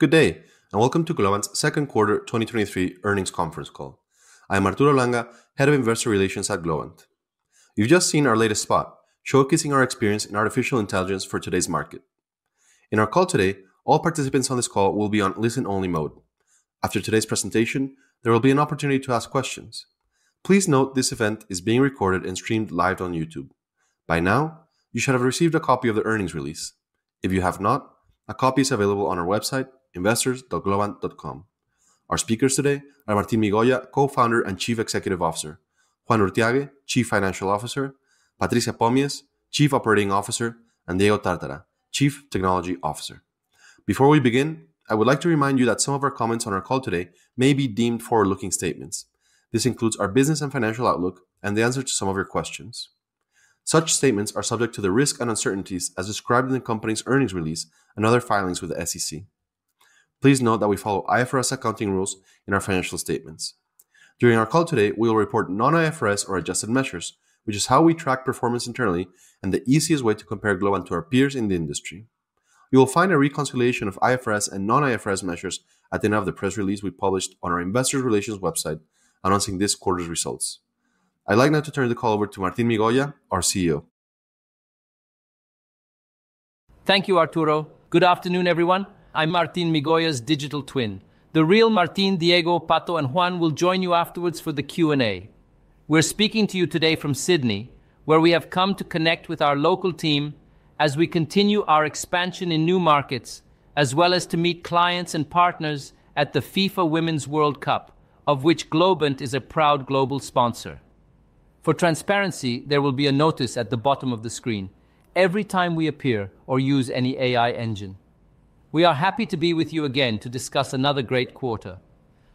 Good day, welcome to Globant's second quarter 2023 earnings conference call. I am Arturo Langa, Head of Investor Relations at Globant. You've just seen our latest spot showcasing our experience in artificial intelligence for today's market. In our call today, all participants on this call will be on listen-only mode. After today's presentation, there will be an opportunity to ask questions. Please note this event is being recorded and streamed live on YouTube. By now, you should have received a copy of the earnings release. If you have not, a copy is available on our website, investors.globant.com. Our speakers today are Martín Migoya, Co-founder and Chief Executive Officer, Juan Urthiague, Chief Financial Officer, Patricia Pomies, Chief Operating Officer, and Diego Tartara, Chief Technology Officer. Before we begin, I would like to remind you that some of our comments on our call today may be deemed forward-looking statements. This includes our business and financial outlook and the answer to some of your questions. Such statements are subject to the risks and uncertainties as described in the company's earnings release and other filings with the SEC. Please note that we follow IFRS accounting rules in our financial statements. During our call today, we will report non-IFRS or adjusted measures, which is how we track performance internally and the easiest way to compare Globant to our peers in the industry. You will find a reconciliation of IFRS and non-IFRS measures at the end of the press release we published on our investor relations website announcing this quarter's results. I'd like now to turn the call over to Martín Migoya, our CEO. Thank you, Arturo. Good afternoon, everyone. I'm Martín Migoya's digital twin. The real Martín, Diego, Pato, and Juan will join you afterwards for the Q&A. We're speaking to you today from Sydney, where we have come to connect with our local team as we continue our expansion in new markets, as well as to meet clients and partners at the FIFA Women's World Cup, of which Globant is a proud global sponsor. For transparency, there will be a notice at the bottom of the screen every time we appear or use any AI engine. We are happy to be with you again to discuss another great quarter.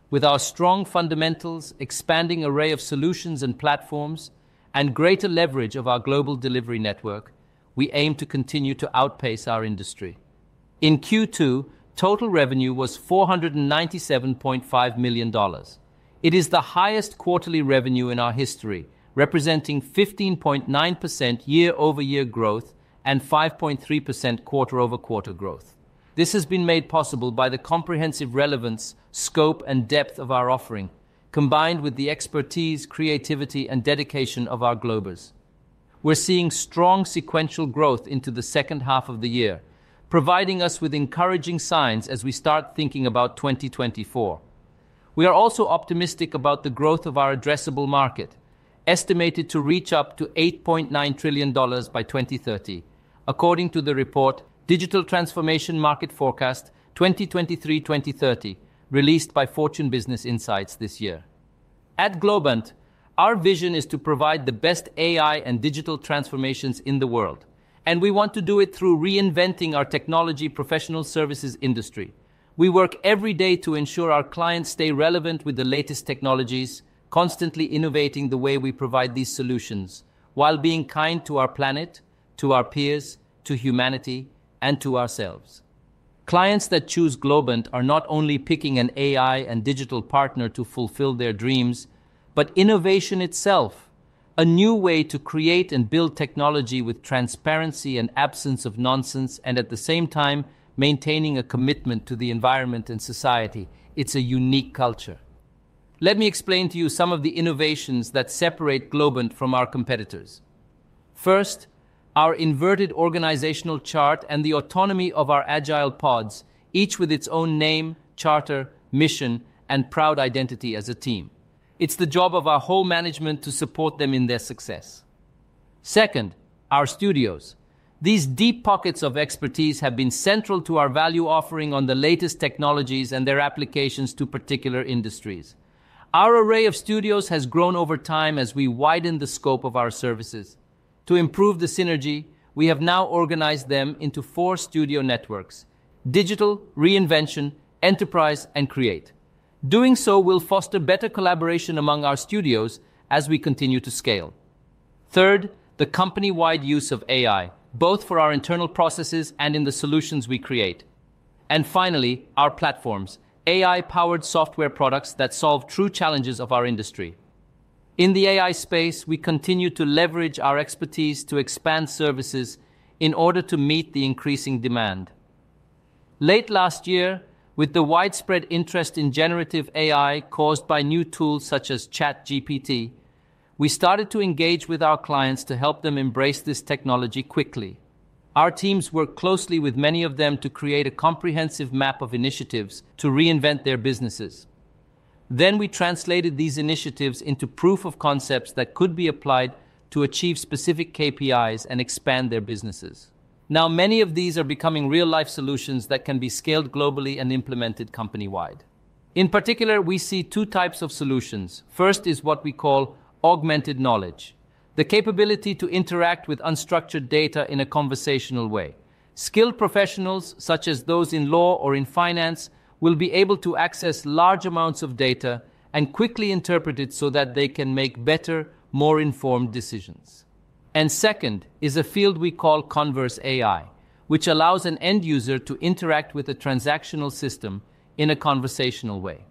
With our strong fundamentals, expanding array of solutions and platforms, and greater leverage of our global delivery network, we aim to continue to outpace our industry. In Q2, total revenue was $497.5 million. It is the highest quarterly revenue in our history, representing 15.9% year-over-year growth and 5.3% quarter-over-quarter growth. This has been made possible by the comprehensive relevance, scope, and depth of our offering, combined with the expertise, creativity, and dedication of our Globers. We're seeing strong sequential growth into the second half of the year, providing us with encouraging signs as we start thinking about 2024. We are also optimistic about the growth of our addressable market, estimated to reach up to $8.9 trillion by 2030, according to the report, Digital Transformation Market Forecast, 2023-2030, released by Fortune Business Insights this year. At Globant, our vision is to provide the best AI and digital transformations in the world, and we want to do it through reinventing our technology professional services industry. We work every day to ensure our clients stay relevant with the latest technologies, constantly innovating the way we provide these solutions, while being kind to our planet, to our peers, to humanity, and to ourselves. Clients that choose Globant are not only picking an AI and digital partner to fulfill their dreams, but innovation itself, a new way to create and build technology with transparency and absence of nonsense, and at the same time, maintaining a commitment to the environment and society. It's a unique culture. Let me explain to you some of the innovations that separate Globant from our competitors. First, our inverted organizational chart and the autonomy of our agile pods, each with its own name, charter, mission, and proud identity as a team. It's the job of our whole management to support them in their success. Second, our studios. These deep pockets of expertise have been central to our value offering on the latest technologies and their applications to particular industries. Our array of studios has grown over time as we widen the scope of our services. To improve the synergy, we have now organized them into four studio networks: Digital, Reinvention, Enterprise, and Create. Doing so will foster better collaboration among our studios as we continue to scale. Third, the company-wide use of AI, both for our internal processes and in the solutions we create. Finally, our platforms, AI-powered software products that solve true challenges of our industry. In the AI space, we continue to leverage our expertise to expand services in order to meet the increasing demand. Late last year, with the widespread interest in generative AI caused by new tools such as ChatGPT, we started to engage with our clients to help them embrace this technology quickly. Our teams worked closely with many of them to create a comprehensive map of initiatives to reinvent their businesses. We translated these initiatives into proof of concepts that could be applied to achieve specific KPIs and expand their businesses. Now, many of these are becoming real-life solutions that can be scaled globally and implemented company-wide. In particular, we see two types of solutions. First is what we call augmented knowledge, the capability to interact with unstructured data in a conversational way. Skilled professionals, such as those in law or in finance, will be able to access large amounts of data and quickly interpret it so that they can make better, more informed decisions. Second is a field we call Converse AI, which allows an end user to interact with a transactional system in a conversational way.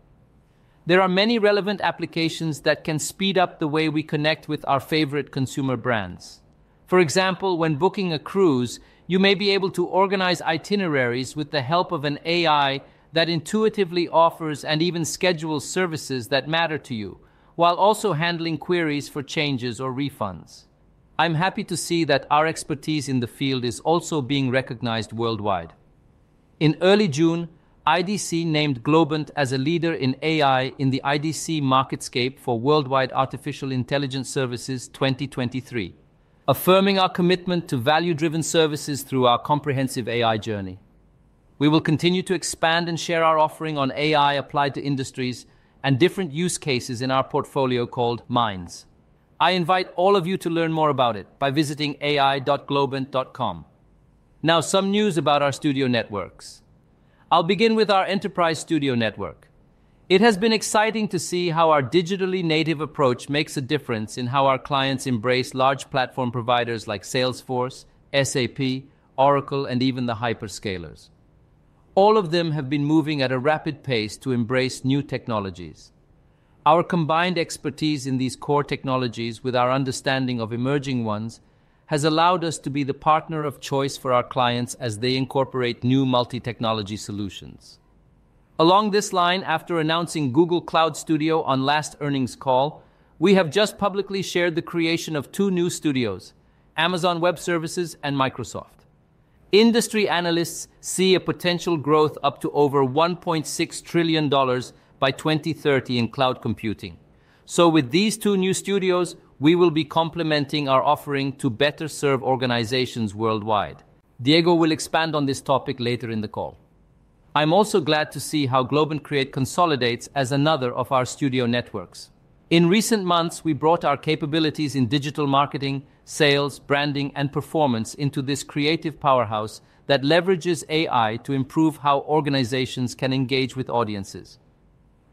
There are many relevant applications that can speed up the way we connect with our favorite consumer brands. For example, when booking a cruise, you may be able to organize itineraries with the help of an AI that intuitively offers and even schedules services that matter to you, while also handling queries for changes or refunds. I'm happy to see that our expertise in the field is also being recognized worldwide. In early June, IDC named Globant as a leader in AI in the IDC MarketScape for Worldwide Artificial Intelligence Services 2023, affirming our commitment to value-driven services through our comprehensive AI journey. We will continue to expand and share our offering on AI applied to industries and different use cases in our portfolio called MINDS. I invite all of you to learn more about it by visiting ai.globant.com. Now, some news about our studio networks. I'll begin with our Enterprise Studio network. It has been exciting to see how our digitally native approach makes a difference in how our clients embrace large platform providers like Salesforce, SAP, Oracle, and even the hyperscalers. All of them have been moving at a rapid pace to embrace new technologies. Our combined expertise in these core technologies with our understanding of emerging ones has allowed us to be the partner of choice for our clients as they incorporate new multi-technology solutions. Along this line, after announcing Google Cloud Studio on last earnings call, we have just publicly shared the creation of two new studios: Amazon Web Services and Microsoft. Industry analysts see a potential growth up to over $1.6 trillion by 2030 in cloud computing. With these two new studios, we will be complementing our offering to better serve organizations worldwide. Diego will expand on this topic later in the call. I'm also glad to see how Globant Create consolidates as another of our studio networks. In recent months, we brought our capabilities in digital marketing, sales, branding, and performance into this creative powerhouse that leverages AI to improve how organizations can engage with audiences.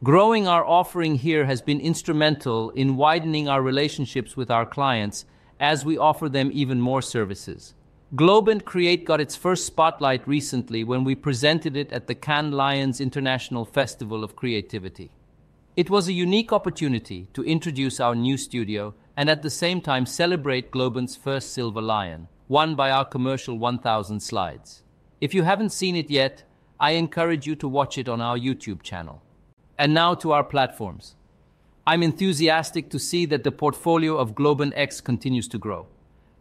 Growing our offering here has been instrumental in widening our relationships with our clients as we offer them even more services. Globant Create got its first spotlight recently when we presented it at the Cannes Lions International Festival of Creativity. It was a unique opportunity to introduce our new studio and, at the same time, celebrate Globant's first Silver Lion, won by our commercial 1000 Slides. If you haven't seen it yet, I encourage you to watch it on our YouTube channel. Now to our platforms. I'm enthusiastic to see that the portfolio of Globant X continues to grow.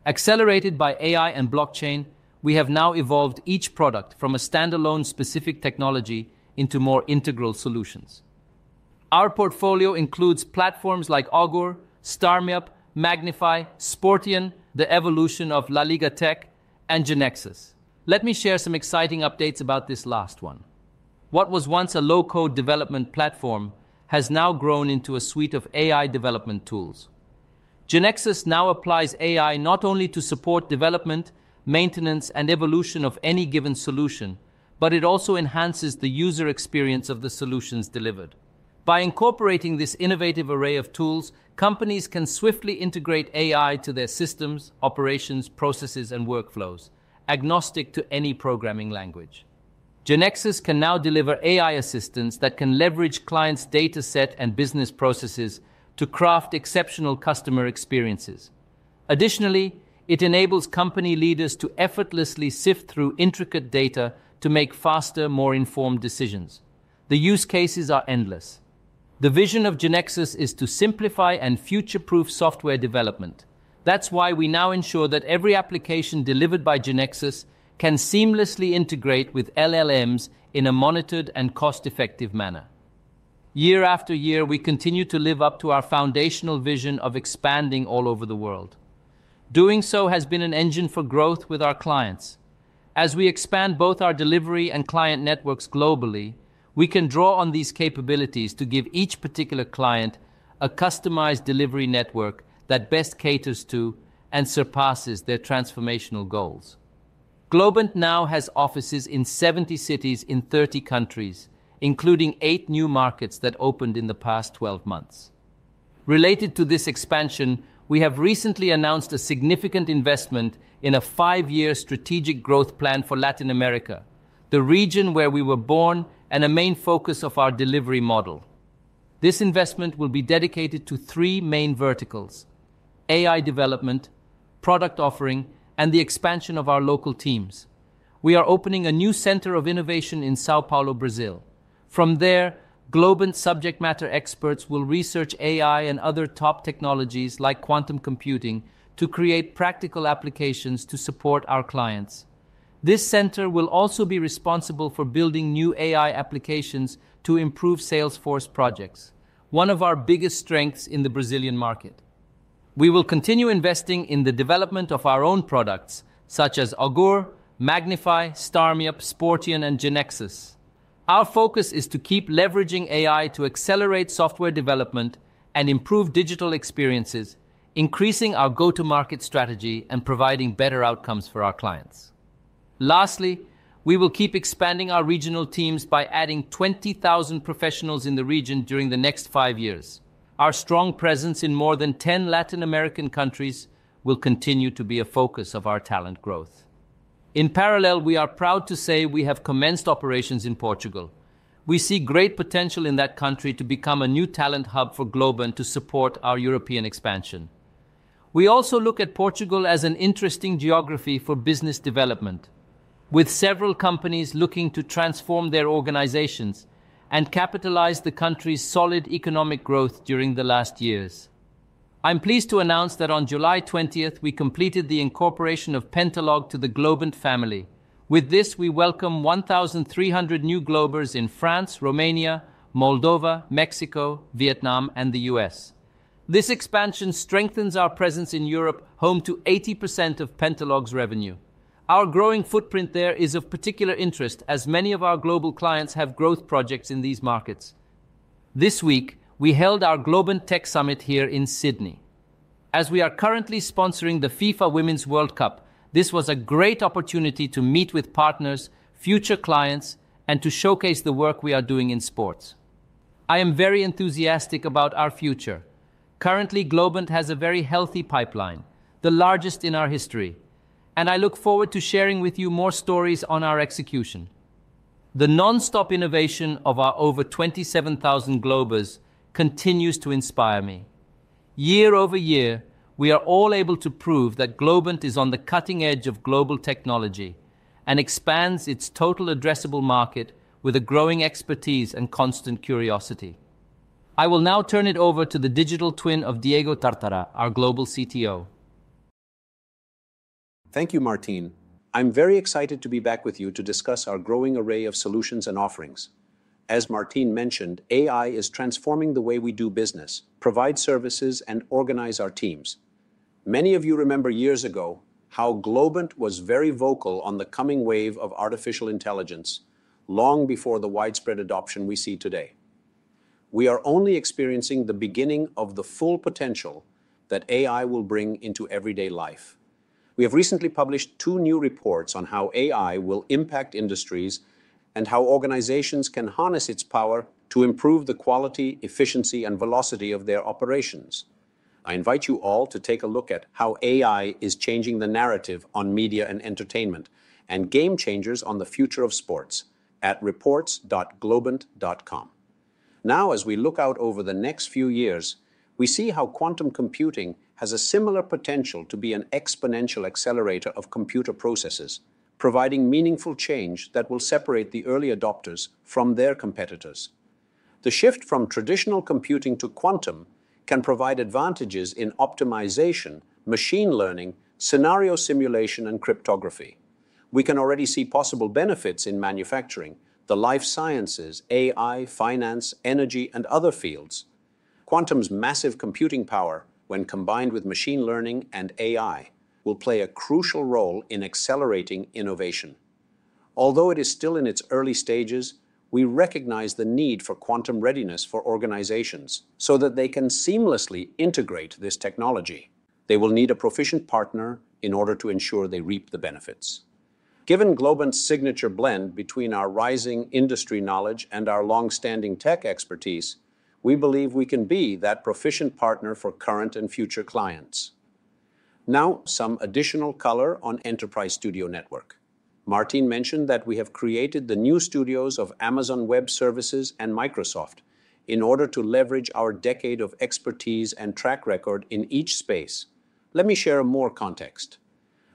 Accelerated by AI and blockchain, we have now evolved each product from a standalone specific technology into more integral solutions. Our portfolio includes platforms like Augoor, StarMeUp, MagnifAI, Sportian, the evolution of LaLiga Tech, and GeneXus. Let me share some exciting updates about this last one. What was once a low-code development platform has now grown into a suite of AI development tools. GeneXus now applies AI not only to support development, maintenance, and evolution of any given solution, but it also enhances the user experience of the solutions delivered. By incorporating this innovative array of tools, companies can swiftly integrate AI to their systems, operations, processes, and workflows, agnostic to any programming language. GeneXus can now deliver AI assistance that can leverage clients' data set and business processes to craft exceptional customer experiences. Additionally, it enables company leaders to effortlessly sift through intricate data to make faster, more informed decisions. The use cases are endless. The vision of GeneXus is to simplify and future-proof software development. That's why we now ensure that every application delivered by GeneXus can seamlessly integrate with LLMs in a monitored and cost-effective manner. Year after year, we continue to live up to our foundational vision of expanding all over the world. Doing so has been an engine for growth with our clients. As we expand both our delivery and client networks globally, we can draw on these capabilities to give each particular client a customized delivery network that best caters to and surpasses their transformational goals. Globant now has offices in 70 cities in 30 countries, including eight new markets that opened in the past 12 months. Related to this expansion, we have recently announced a significant investment in a five-year strategic growth plan for Latin America, the region where we were born and a main focus of our delivery model. This investment will be dedicated to three main verticals: AI development, product offering, and the expansion of our local teams. We are opening a new center of innovation in São Paulo, Brazil. From there, Globant subject matter experts will research AI and other top technologies, like quantum computing, to create practical applications to support our clients. This center will also be responsible for building new AI applications to improve Salesforce projects, one of our biggest strengths in the Brazilian market. We will continue investing in the development of our own products, such as Augoor, MagnifAI, StarMeUp, Sportian, and GeneXus. Our focus is to keep leveraging AI to accelerate software development and improve digital experiences, increasing our go-to-market strategy and providing better outcomes for our clients. Lastly, we will keep expanding our regional teams by adding 20,000 professionals in the region during the next five years. Our strong presence in more than 10 Latin American countries will continue to be a focus of our talent growth. In parallel, we are proud to say we have commenced operations in Portugal. We see great potential in that country to become a new talent hub for Globant to support our European expansion. We also look at Portugal as an interesting geography for business development, with several companies looking to transform their organizations and capitalize the country's solid economic growth during the last years. I'm pleased to announce that on July 20th, we completed the incorporation of Pentalog to the Globant family. With this, we welcome 1,300 new Globers in France, Romania, Moldova, Mexico, Vietnam, and the U.S. This expansion strengthens our presence in Europe, home to 80% of Pentalog's revenue. Our growing footprint there is of particular interest, as many of our global clients have growth projects in these markets. This week, we held our Globant Tech Summit here in Sydney. As we are currently sponsoring the FIFA Women's World Cup, this was a great opportunity to meet with partners, future clients, and to showcase the work we are doing in sports. I am very enthusiastic about our future. Currently, Globant has a very healthy pipeline, the largest in our history, and I look forward to sharing with you more stories on our execution. The nonstop innovation of our over 27,000 Globers continues to inspire me. Year-over-year, we are all able to prove that Globant is on the cutting edge of global technology and expands its total addressable market with a growing expertise and constant curiosity. I will now turn it over to the digital twin of Diego Tartara, our global CTO. Thank you, Martín. I'm very excited to be back with you to discuss our growing array of solutions and offerings. As Martín mentioned, AI is transforming the way we do business, provide services, and organize our teams. Many of you remember years ago how Globant was very vocal on the coming wave of artificial intelligence, long before the widespread adoption we see today. We are only experiencing the beginning of the full potential that AI will bring into everyday life. We have recently published two new reports on how AI will impact industries and how organizations can harness its power to improve the quality, efficiency, and velocity of their operations. I invite you all to take a look at how AI is changing the narrative on media and entertainment, and game changers on the future of sports at reports.globant.com. As we look out over the next few years, we see how quantum computing has a similar potential to be an exponential accelerator of computer processes, providing meaningful change that will separate the early adopters from their competitors. The shift from traditional computing to quantum can provide advantages in optimization, machine learning, scenario simulation, and cryptography. We can already see possible benefits in manufacturing, the life sciences, AI, finance, energy, and other fields. Quantum's massive computing power, when combined with machine learning and AI, will play a crucial role in accelerating innovation. Although it is still in its early stages, we recognize the need for quantum readiness for organizations so that they can seamlessly integrate this technology. They will need a proficient partner in order to ensure they reap the benefits. Given Globant's signature blend between our rising industry knowledge and our long-standing tech expertise, we believe we can be that proficient partner for current and future clients. Some additional color on Enterprise Studio Network. Martín mentioned that we have created the new studios of Amazon Web Services and Microsoft in order to leverage our decade of expertise and track record in each space. Let me share more context.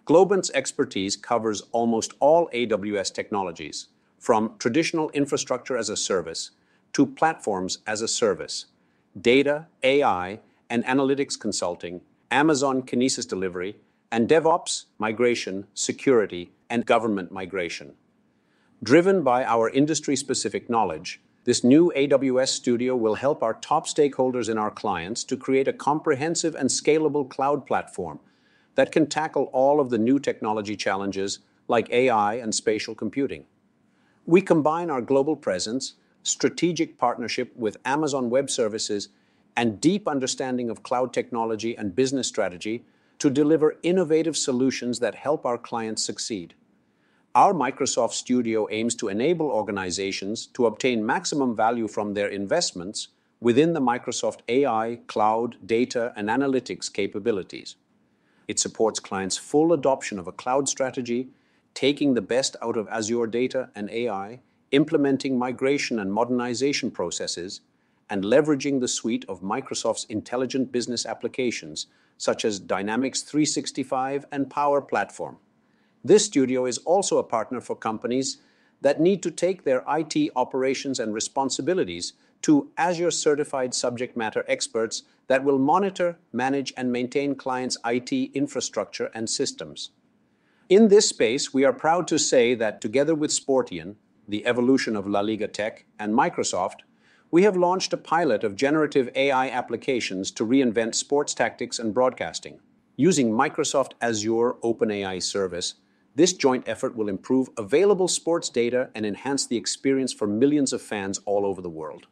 Globant's expertise covers almost all AWS technologies, from traditional infrastructure as a service to Platform as a Service, data, AI, and analytics consulting, Amazon Kinesis delivery, and DevOps, migration, security, and government migration. Driven by our industry-specific knowledge, this new AWS Studio will help our top stakeholders and our clients to create a comprehensive and scalable cloud platform that can tackle all of the new technology challenges like AI and spatial computing. We combine our global presence, strategic partnership with Amazon Web Services, and deep understanding of cloud technology and business strategy to deliver innovative solutions that help our clients succeed. Our Microsoft Studio aims to enable organizations to obtain maximum value from their investments within the Microsoft AI, cloud, data, and analytics capabilities. It supports clients' full adoption of a cloud strategy, taking the best out of Azure data and AI, implementing migration and modernization processes, and leveraging the suite of Microsoft's intelligent business applications, such as Dynamics 365 and Power Platform. This studio is also a partner for companies that need to take their IT operations and responsibilities to Azure-certified subject matter experts that will monitor, manage, and maintain clients' IT infrastructure and systems. In this space, we are proud to say that together with Sportian, the evolution of LaLiga Tech and Microsoft, we have launched a pilot of generative AI applications to reinvent sports tactics and broadcasting. Using Microsoft Azure OpenAI Service, this joint effort will improve available sports data and enhance the experience for millions of fans all over the world.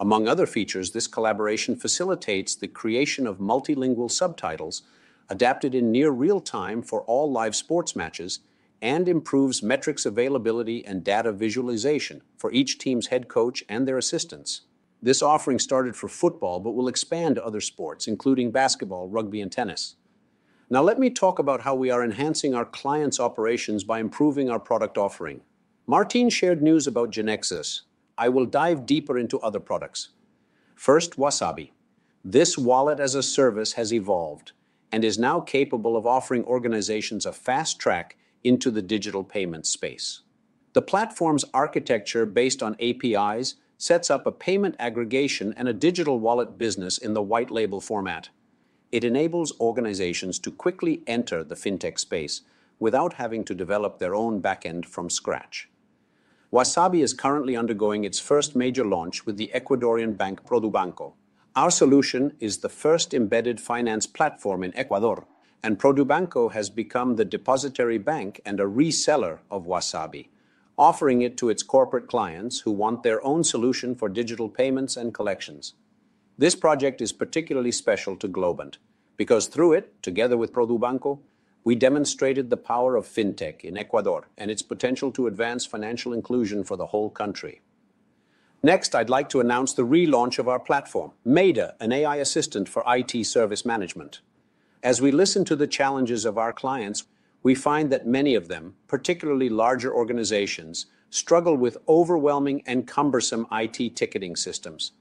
Among other features, this collaboration facilitates the creation of multilingual subtitles adapted in near real time for all live sports matches and improves metrics availability and data visualization for each team's head coach and their assistants. Let me talk about how we are enhancing our clients' operations by improving our product offering. Martín shared news about GeneXus. I will dive deeper into other products. First, WaaSabi. This wallet-as-a-service has evolved and is now capable of offering organizations a fast track into the digital payment space. The platform's architecture, based on APIs, sets up a payment aggregation and a digital wallet business in the white label format. It enables organizations to quickly enter the fintech space without having to develop their own backend from scratch. WaaSabi is currently undergoing its first major launch with the Ecuadorian bank, Produbanco. Our solution is the first embedded finance platform in Ecuador, and Produbanco has become the depository bank and a reseller of WaaSabi, offering it to its corporate clients who want their own solution for digital payments and collections. This project is particularly special to Globant because through it, together with Produbanco, we demonstrated the power of fintech in Ecuador and its potential to advance financial inclusion for the whole country. Next, I'd like to announce the relaunch of our platform, Maida, an AI assistant for IT service management. As we listen to the challenges of our clients, we find that many of them, particularly larger organizations, struggle with overwhelming and cumbersome IT ticketing systems.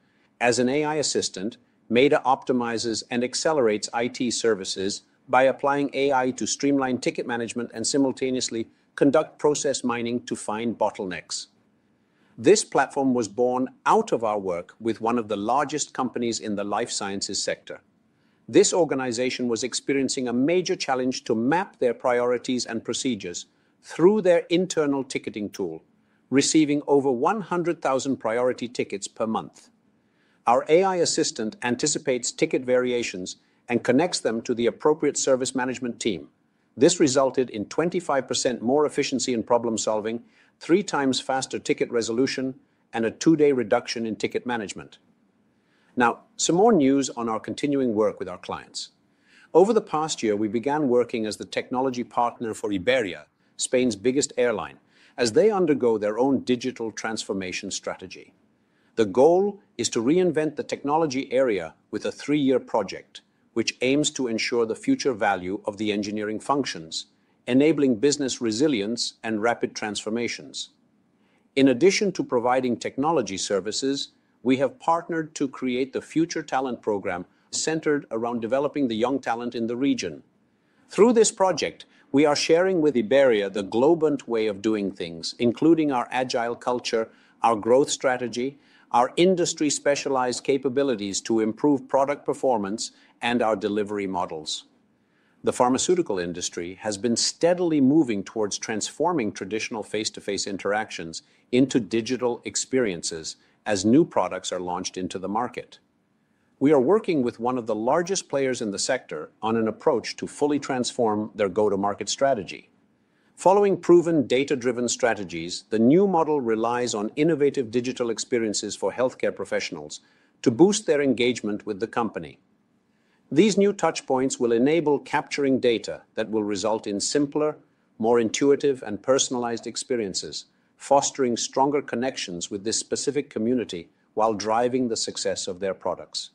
As an AI assistant, Maida optimizes and accelerates IT services by applying AI to streamline ticket management and simultaneously conduct process mining to find bottlenecks. This platform was born out of our work with one of the largest companies in the life sciences sector. This organization was experiencing a major challenge to map their priorities and procedures through their internal ticketing tool, receiving over 100,000 priority tickets per month. Our AI assistant anticipates ticket variations and connects them to the appropriate service management team. This resulted in 25% more efficiency in problem-solving, 3x faster ticket resolution, and a two-day reduction in ticket management. Some more news on our continuing work with our clients. Over the past year, we began working as the technology partner for Iberia, Spain's biggest airline, as they undergo their own digital transformation strategy. The goal is to reinvent the technology area with a three-year project, which aims to ensure the future value of the engineering functions, enabling business resilience and rapid transformations. In addition to providing technology services, we have partnered to create the future talent program centered around developing the young talent in the region. Through this project, we are sharing with Iberia the Globant way of doing things, including our agile culture, our growth strategy, our industry-specialized capabilities to improve product performance, and our delivery models. The pharmaceutical industry has been steadily moving towards transforming traditional face-to-face interactions into digital experiences as new products are launched into the market. We are working with one of the largest players in the sector on an approach to fully transform their go-to-market strategy. Following proven data-driven strategies, the new model relies on innovative digital experiences for healthcare professionals to boost their engagement with the company. These new touchpoints will enable capturing data that will result in simpler, more intuitive, and personalized experiences, fostering stronger connections with this specific community while driving the success of their products.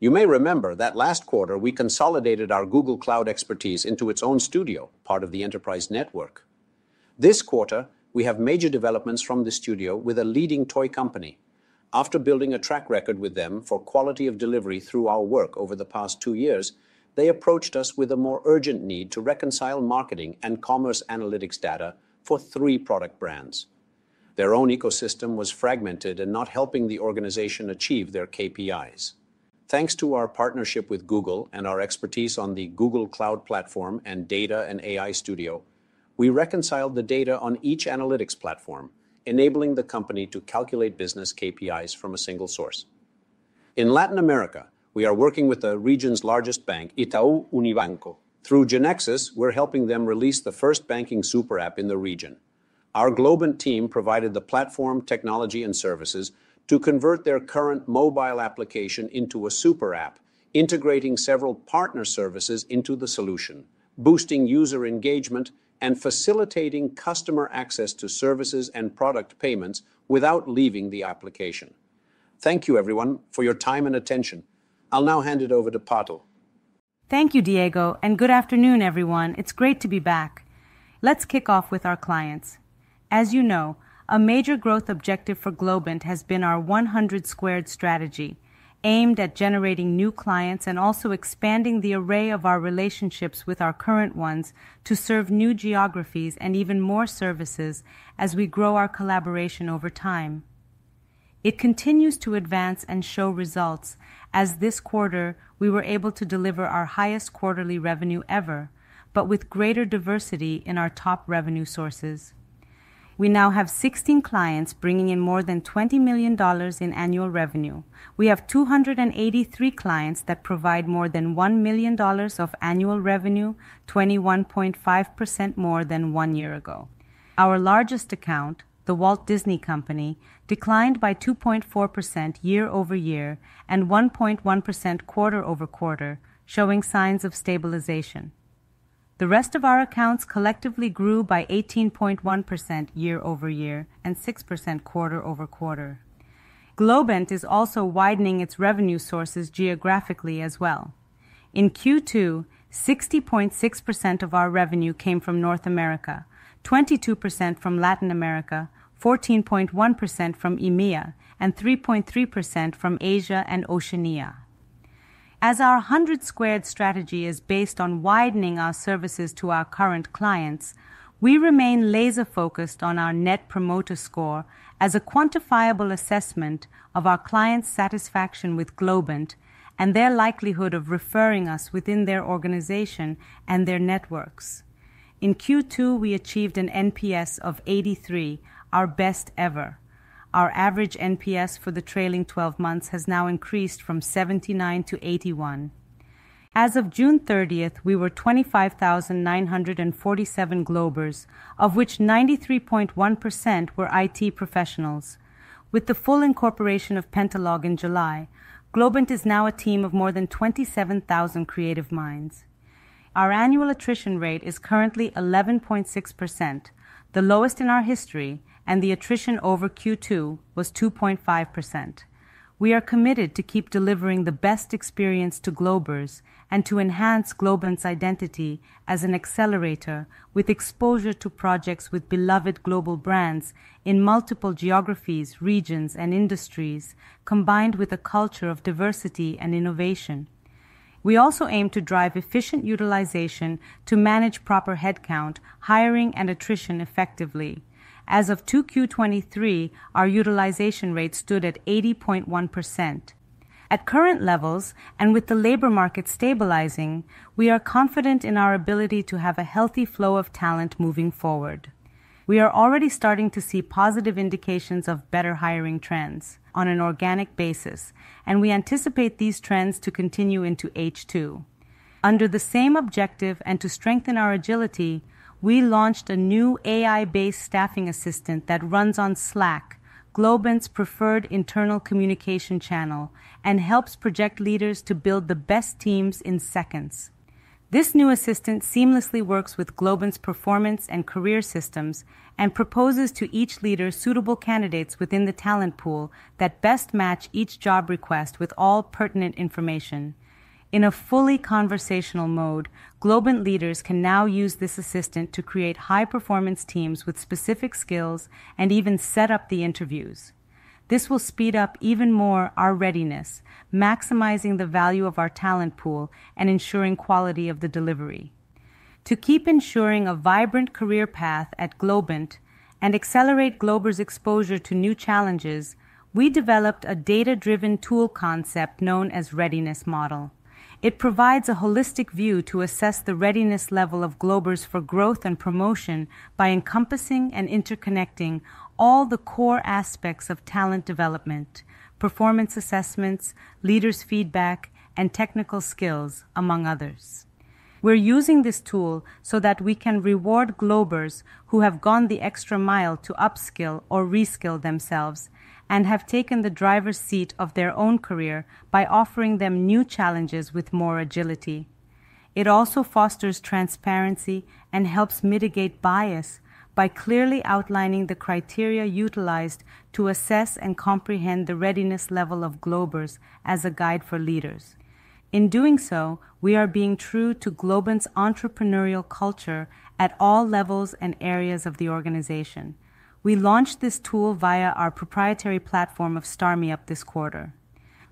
You may remember that last quarter, we consolidated our Google Cloud expertise into its own studio, part of the enterprise network. This quarter, we have major developments from the studio with a leading toy company. After building a track record with them for quality of delivery through our work over the past two years, they approached us with a more urgent need to reconcile marketing and commerce analytics data for three product brands. Their own ecosystem was fragmented and not helping the organization achieve their KPIs. Thanks to our partnership with Google and our expertise on the Google Cloud Platform and Data and AI Studio, we reconciled the data on each analytics platform, enabling the company to calculate business KPIs from a single source. In Latin America, we are working with the region's largest bank, Itaú Unibanco. Through GeneXus, we're helping them release the first banking super app in the region. Our Globant team provided the platform, technology, and services to convert their current mobile application into a super app, integrating several partner services into the solution, boosting user engagement, and facilitating customer access to services and product payments without leaving the application. Thank you, everyone, for your time and attention. I'll now hand it over to Pato. Thank you, Diego, and good afternoon, everyone. It's great to be back. Let's kick off with our clients. As you know, a major growth objective for Globant has been our 100 Squared strategy, aimed at generating new clients and also expanding the array of our relationships with our current ones to serve new geographies and even more services as we grow our collaboration over time. It continues to advance and show results as this quarter, we were able to deliver our highest quarterly revenue ever, but with greater diversity in our top revenue sources. We now have 16 clients bringing in more than $20 million in annual revenue. We have 283 clients that provide more than $1 million of annual revenue, 21.5% more than one year ago. Our largest account, The Walt Disney Company, declined by 2.4% year-over-year and 1.1% quarter-over-quarter, showing signs of stabilization. The rest of our accounts collectively grew by 18.1% year-over-year and 6% quarter-over-quarter. Globant is also widening its revenue sources geographically as well. In Q2, 60.6% of our revenue came from North America, 22% from Latin America, 14.1% from EMEA, and 3.3% from Asia and Oceania. As our 100 Squared strategy is based on widening our services to our current clients, we remain laser focused on our Net Promoter Score as a quantifiable assessment of our client's satisfaction with Globant and their likelihood of referring us within their organization and their networks. In Q2, we achieved an NPS of 83, our best ever. Our average NPS for the trailing 12 months has now increased from 79 to 81. As of June 30th, we were 25,947 Globers, of which 93.1% were IT professionals. With the full incorporation of Pentalog in July, Globant is now a team of more than 27,000 creative minds. Our annual attrition rate is currently 11.6%, the lowest in our history, and the attrition over Q2 was 2.5%. We are committed to keep delivering the best experience to Globers and to enhance Globant's identity as an accelerator with exposure to projects with beloved global brands in multiple geographies, regions, and industries, combined with a culture of diversity and innovation. We also aim to drive efficient utilization to manage proper headcount, hiring, and attrition effectively. As of 2Q 2023, our utilization rate stood at 80.1%. At current levels, and with the labor market stabilizing, we are confident in our ability to have a healthy flow of talent moving forward. We are already starting to see positive indications of better hiring trends on an organic basis, and we anticipate these trends to continue into H2. Under the same objective and to strengthen our agility, we launched a new AI-based staffing assistant that runs on Slack, Globant's preferred internal communication channel, and helps project leaders to build the best teams in seconds. This new assistant seamlessly works with Globant's performance and career systems and proposes to each leader suitable candidates within the talent pool that best match each job request with all pertinent information. In a fully conversational mode, Globant leaders can now use this assistant to create high-performance teams with specific skills and even set up the interviews. This will speed up even more our readiness, maximizing the value of our talent pool and ensuring quality of the delivery. To keep ensuring a vibrant career path at Globant and accelerate Globers' exposure to new challenges, we developed a data-driven tool concept known as Readiness Model. It provides a holistic view to assess the readiness level of Globers for growth and promotion by encompassing and interconnecting all the core aspects of talent development, performance assessments, leaders feedback, and technical skills, among others. We're using this tool so that we can reward Globers who have gone the extra mile to upskill or reskill themselves and have taken the driver's seat of their own career by offering them new challenges with more agility. It also fosters transparency and helps mitigate bias by clearly outlining the criteria utilized to assess and comprehend the readiness level of Globers as a guide for leaders. In doing so, we are being true to Globant's entrepreneurial culture at all levels and areas of the organization. We launched this tool via our proprietary platform of StarMeUp this quarter.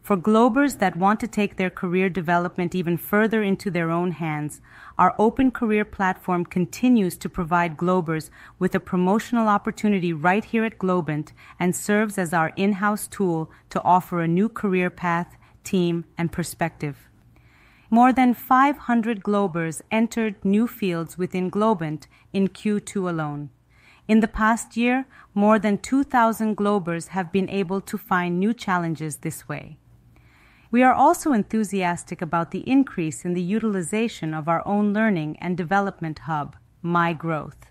For Globers that want to take their career development even further into their own hands, our open career platform continues to provide Globers with a promotional opportunity right here at Globant and serves as our in-house tool to offer a new career path, team, and perspective. More than 500 Globers entered new fields within Globant in Q2 alone. In the past year, more than 2,000 Globers have been able to find new challenges this way. We are also enthusiastic about the increase in the utilization of our own learning and development hub, My Growth.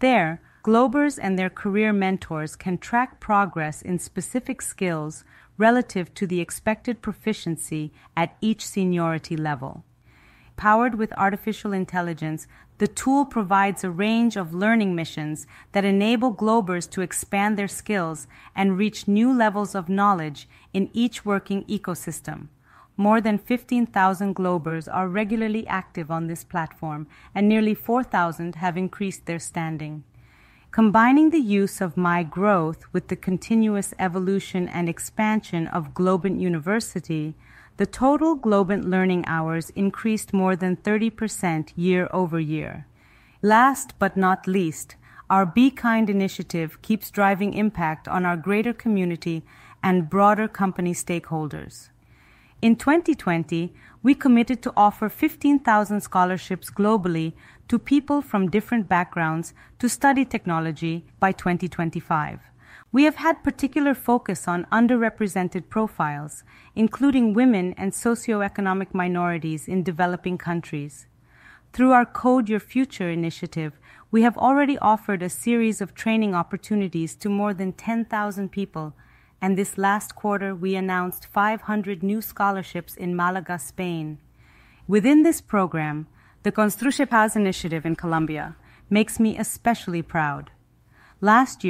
There, Globers and their career mentors can track progress in specific skills relative to the expected proficiency at each seniority level. Powered with artificial intelligence, the tool provides a range of learning missions that enable Globers to expand their skills and reach new levels of knowledge in each working ecosystem. More than 15,000 Globers are regularly active on this platform, and nearly 4,000 have increased their standing. Combining the use of My Growth with the continuous evolution and expansion of Globant University, the total Globant learning hours increased more than 30% year-over-year. Last but not least, our Be Kind initiative keeps driving impact on our greater community and broader company stakeholders. In 2020, we committed to offer 15,000 scholarships globally to people from different backgrounds to study technology by 2025. We have had particular focus on underrepresented profiles, including women and socioeconomic minorities in developing countries. Through our Code Your Future initiative, we have already offered a series of training opportunities to more than 10,000 people, and this last quarter, we announced 500 new scholarships in Málaga, Spain. Within this program, the Construye Paz initiative in Colombia makes me especially proud. Last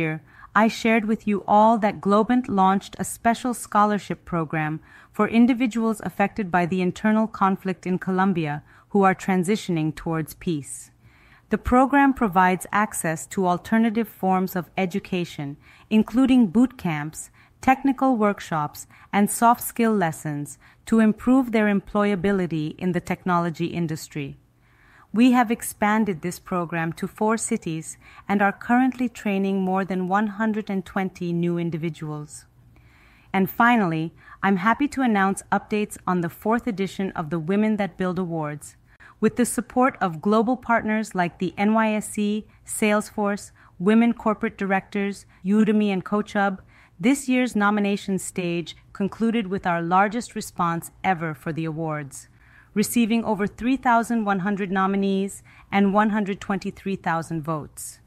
year, I shared with you all that Globant launched a special scholarship program for individuals affected by the internal conflict in Colombia, who are transitioning towards peace. The program provides access to alternative forms of education, including boot camps, technical workshops, and soft skill lessons to improve their employability in the technology industry. We have expanded this program to four cities and are currently training more than 120 new individuals. Finally, I'm happy to announce updates on the fourth edition of the Women that Build Awards. With the support of global partners like the NYSE, Salesforce, Women Corporate Directors, Udemy, and CoachHub, this year's nomination stage concluded with our largest response ever for the awards, receiving over 3,100 nominees and 123,000 votes.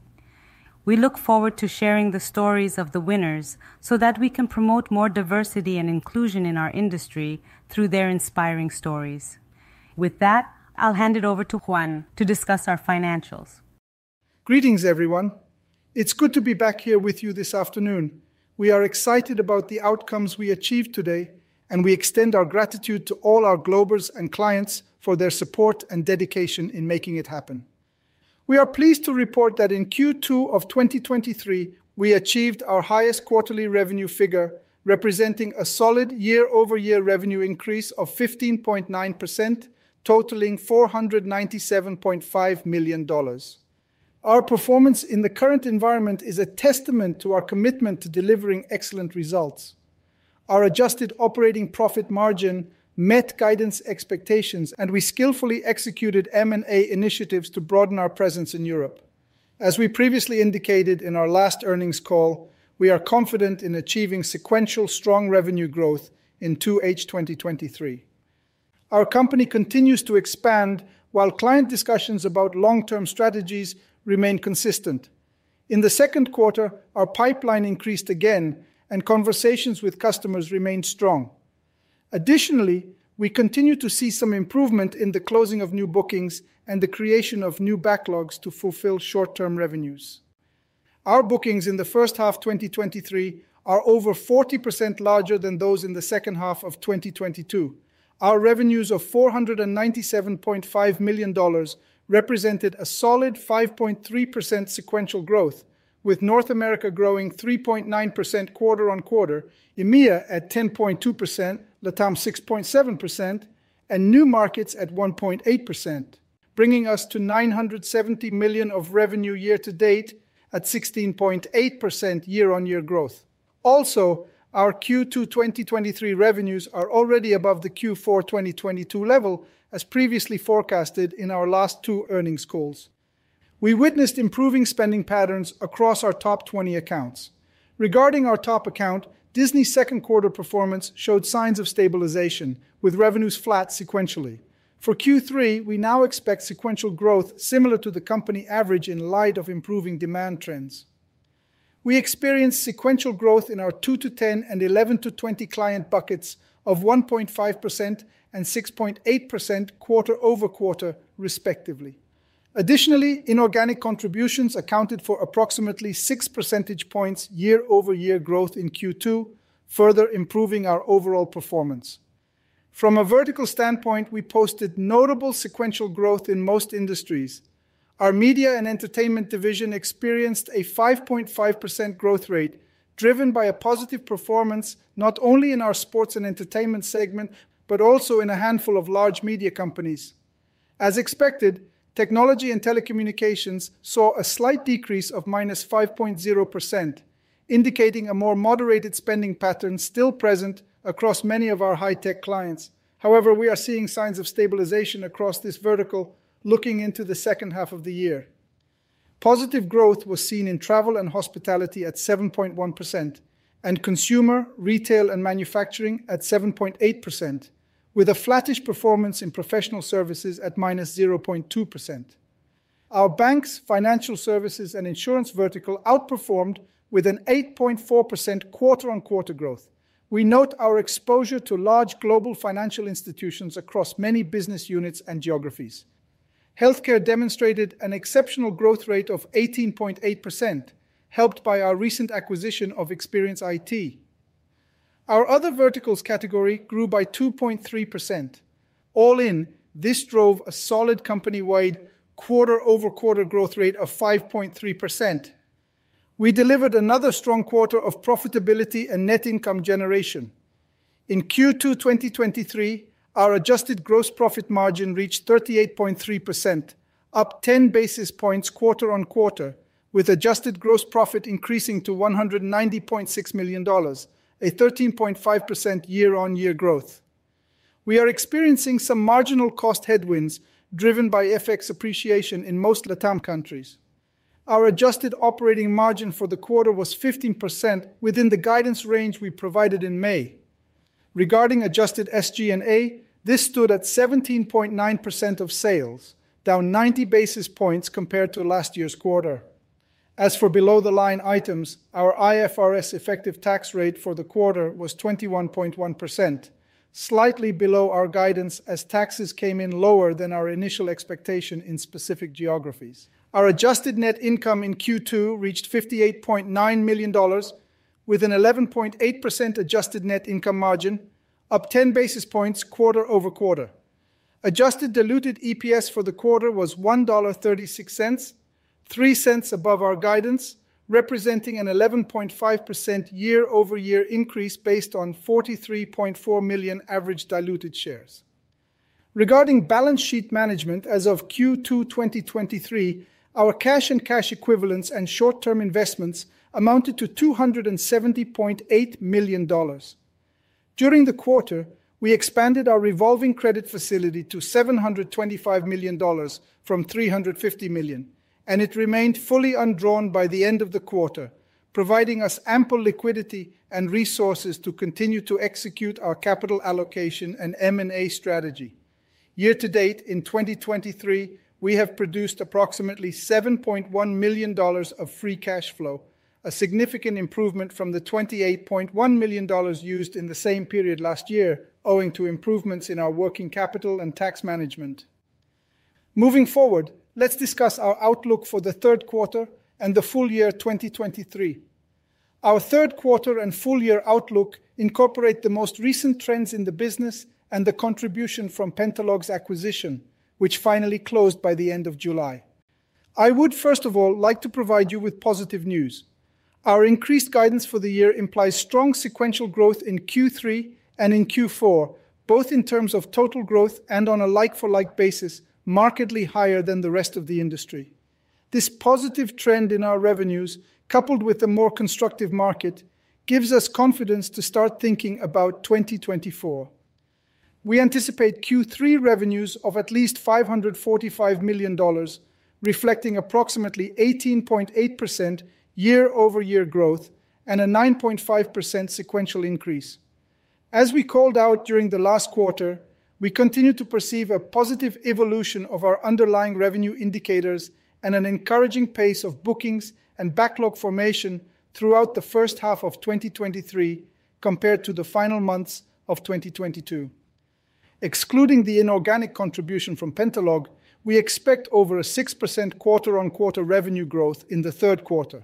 We look forward to sharing the stories of the winners so that we can promote more diversity and inclusion in our industry through their inspiring stories. With that, I'll hand it over to Juan to discuss our financials. Greetings, everyone. It's good to be back here with you this afternoon. We are excited about the outcomes we achieved today, and we extend our gratitude to all our Globers and clients for their support and dedication in making it happen. We are pleased to report that in Q2 of 2023, we achieved our highest quarterly revenue figure, representing a solid year-over-year revenue increase of 15.9%, totaling $497.5 million. Our performance in the current environment is a testament to our commitment to delivering excellent results. Our adjusted operating profit margin met guidance expectations, and we skillfully executed M&A initiatives to broaden our presence in Europe. As we previously indicated in our last earnings call, we are confident in achieving sequential strong revenue growth in 2H 2023. Our company continues to expand, while client discussions about long-term strategies remain consistent. In the second quarter, our pipeline increased again, and conversations with customers remained strong. Additionally, we continue to see some improvement in the closing of new bookings and the creation of new backlogs to fulfill short-term revenues. Our bookings in the first half 2023 are over 40% larger than those in the second half of 2022. Our revenues of $497.5 million represented a solid 5.3% sequential growth, with North America growing 3.9% quarter-on-quarter, EMEA at 10.2%, LATAM 6.7%, and new markets at 1.8%, bringing us to $970 million of revenue year-to-date at 16.8% year-on-year growth. Also, our Q2 2023 revenues are already above the Q4 2022 level, as previously forecasted in our last two earnings calls. We witnessed improving spending patterns across our top 20 accounts. Regarding our top account, Disney's second quarter performance showed signs of stabilization, with revenues flat sequentially. For Q3, we now expect sequential growth similar to the company average in light of improving demand trends. We experienced sequential growth in our two to 10 and 11 to 20 client buckets of 1.5% and 6.8% quarter-over-quarter, respectively. Additionally, inorganic contributions accounted for approximately 6 percentage points year-over-year growth in Q2, further improving our overall performance. From a vertical standpoint, we posted notable sequential growth in most industries. Our media and entertainment division experienced a 5.5% growth rate, driven by a positive performance, not only in our sports and entertainment segment, but also in a handful of large media companies. As expected, technology and telecommunications saw a slight decrease of -5.0%, indicating a more moderated spending pattern still present across many of our high-tech clients. However, we are seeing signs of stabilization across this vertical looking into the second half of the year. Positive growth was seen in travel and hospitality at 7.1% and consumer, retail, and manufacturing at 7.8%, with a flattish performance in professional services at -0.2%. Our banks, financial services, and insurance vertical outperformed with an 8.4% quarter-on-quarter growth. We note our exposure to large global financial institutions across many business units and geographies. Healthcare demonstrated an exceptional growth rate of 18.8%, helped by our recent acquisition of ExperienceIT. Our other verticals category grew by 2.3%. All in, this drove a solid company-wide quarter-over-quarter growth rate of 5.3%. We delivered another strong quarter of profitability and net income generation. In Q2 2023, our adjusted gross profit margin reached 38.3%, up 10 basis points quarter-on-quarter, with adjusted gross profit increasing to $190.6 million, a 13.5% year-on-year growth. We are experiencing some marginal cost headwinds driven by FX appreciation in most LATAM countries. Our adjusted operating margin for the quarter was 15% within the guidance range we provided in May. Regarding adjusted SG&A, this stood at 17.9% of sales, down 90 basis points compared to last year's quarter. As for below-the-line items, our IFRS effective tax rate for the quarter was 21.1%, slightly below our guidance as taxes came in lower than our initial expectation in specific geographies. Our adjusted net income in Q2 reached $58.9 million with an 11.8% adjusted net income margin, up 10 basis points quarter-over-quarter. Adjusted diluted EPS for the quarter was $1.36, $0.03 above our guidance, representing an 11.5% year-over-year increase based on 43.4 million average diluted shares. Regarding balance sheet management as of Q2 2023, our cash and cash equivalents and short-term investments amounted to $270.8 million. During the quarter, we expanded our revolving credit facility to $725 million from $350 million. It remained fully undrawn by the end of the quarter, providing us ample liquidity and resources to continue to execute our capital allocation and M&A strategy. Year-to-date, in 2023, we have produced approximately $7.1 million of free cash flow, a significant improvement from the $28.1 million used in the same period last year, owing to improvements in our working capital and tax management. Moving forward, let's discuss our outlook for the third quarter and the full year 2023. Our third quarter and full year outlook incorporate the most recent trends in the business and the contribution from Pentalog's acquisition, which finally closed by the end of July. I would, first of all, like to provide you with positive news. Our increased guidance for the year implies strong sequential growth in Q3 and in Q4, both in terms of total growth and on a like-for-like basis, markedly higher than the rest of the industry. This positive trend in our revenues, coupled with a more constructive market, gives us confidence to start thinking about 2024. We anticipate Q3 revenues of at least $545 million, reflecting approximately 18.8% year-over-year growth and a 9.5% sequential increase. As we called out during the last quarter, we continue to perceive a positive evolution of our underlying revenue indicators and an encouraging pace of bookings and backlog formation throughout the first half of 2023 compared to the final months of 2022. Excluding the inorganic contribution from Pentalog, we expect over a 6% quarter-on-quarter revenue growth in the third quarter.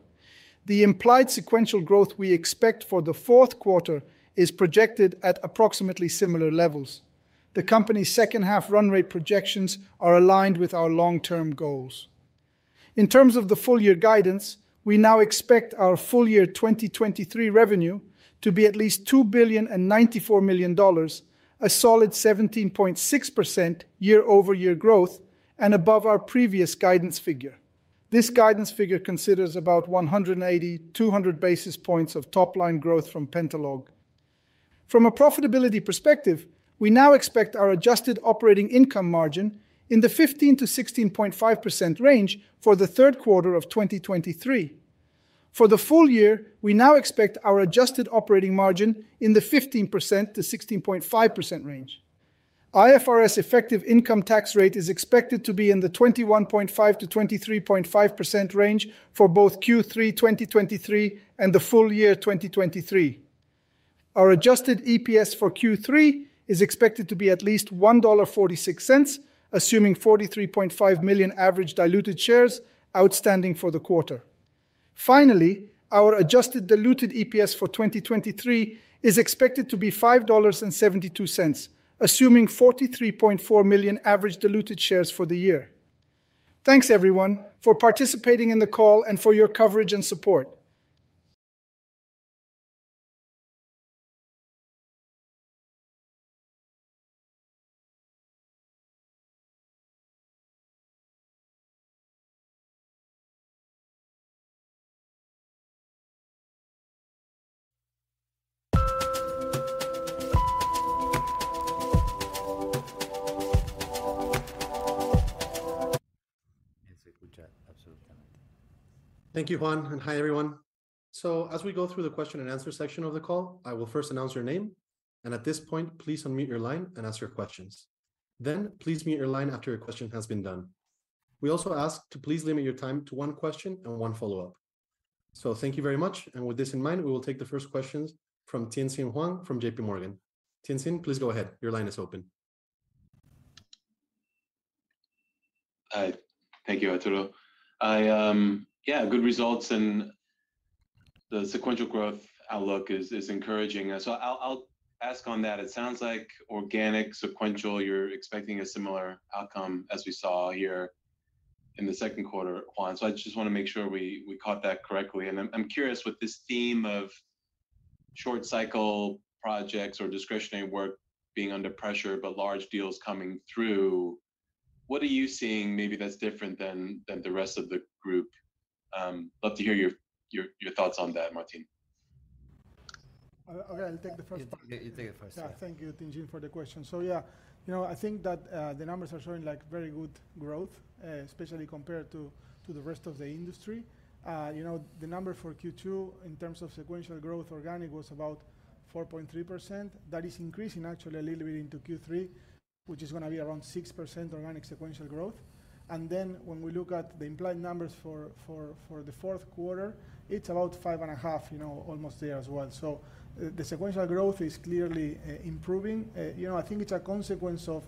The implied sequential growth we expect for the fourth quarter is projected at approximately similar levels. The company's second half run rate projections are aligned with our long-term goals. In terms of the full year guidance, we now expect our full year 2023 revenue to be at least $2.094 billion, a solid 17.6% year-over-year growth, and above our previous guidance figure. This guidance figure considers about 180 basis points-200 basis points of top-line growth from Pentalog. From a profitability perspective, we now expect our adjusted operating income margin in the 15%-16.5% range for the third quarter of 2023. For the full year, we now expect our adjusted operating margin in the 15%-16.5% range. IFRS effective income tax rate is expected to be in the 21.5%-23.5% range for both Q3 2023 and the full year 2023. Our adjusted EPS for Q3 is expected to be at least $1.46, assuming 43.5 million average diluted shares outstanding for the quarter. Finally, our adjusted diluted EPS for 2023 is expected to be $5.72, assuming 43.4 million average diluted shares for the year. Thanks, everyone, for participating in the call and for your coverage and support. Thank you, Juan. Hi, everyone. As we go through the question and answer section of the call, I will first announce your name, and at this point, please unmute your line and ask your questions. Please mute your line after your question has been done. We also ask to please limit your time to one question and one follow-up. Thank you very much, and with this in mind, we will take the first questions from Tien-Tsin Huang from J.P. Morgan. Tien-Tsin, please go ahead. Your line is open. Hi. Thank you, Arturo. I, yeah, good results, and the sequential growth outlook is, is encouraging. I'll, I'll ask on that. It sounds like organic sequential, you're expecting a similar outcome as we saw here in the second quarter, Juan. I just wanna make sure we, we caught that correctly. I'm, I'm curious, with this theme of short cycle projects or discretionary work being under pressure, but large deals coming through, what are you seeing maybe that's different than, than the rest of the group? Love to hear your, your, your thoughts on that, Martín. Okay, I'll take the first part. You take it first. Yeah. Thank you, Tien-Tsin, for the question. Yeah, you know, I think that the numbers are showing like very good growth, especially compared to, to the rest of the industry. You know, the number for Q2 in terms of sequential growth organic was about 4.3%. That is increasing actually a little bit into Q3. Which is gonna be around 6% organic sequential growth. When we look at the implied numbers for, for, for the fourth quarter, it's a%bout 5.5, you know, almost there as well. The, the sequential growth is clearly improving. You know, I think it's a consequence of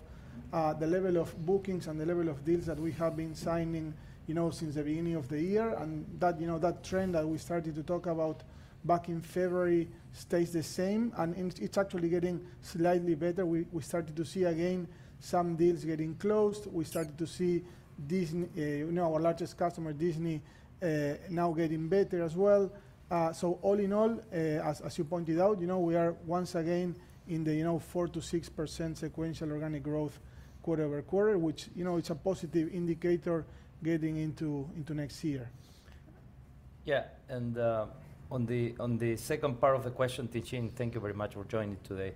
the level of bookings and the level of deals that we have been signing, you know, since the beginning of the year, and that, you know, that trend that we started to talk about back in February stays the same, and it's, it's actually getting slightly better. We, we started to see again, some deals getting closed. We started to see Disney, you know, our largest customer, Disney, now getting better as well. All in all, as, as you pointed out, you know, we are once again in the, you know, 4%-6% sequential organic growth quarter-over-quarter, which, you know, it's a positive indicator getting into, into next year. Yeah, on the, on the second part of the question, Tien-Tsin, thank you very much for joining today.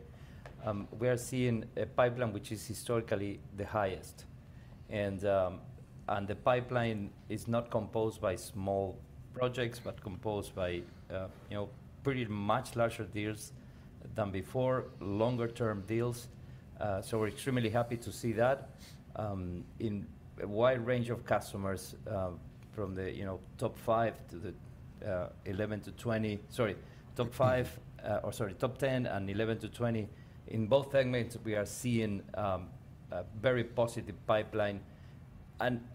We are seeing a pipeline which is historically the highest. The pipeline is not composed by small projects, but composed by, you know, pretty much larger deals than before, longer-term deals. So we're extremely happy to see that, in a wide range of customers, from the, you know, top five to the, 11 to 20, sorry, top five, or sorry, top 10 and 11 to 20. In both segments, we are seeing a very positive pipeline.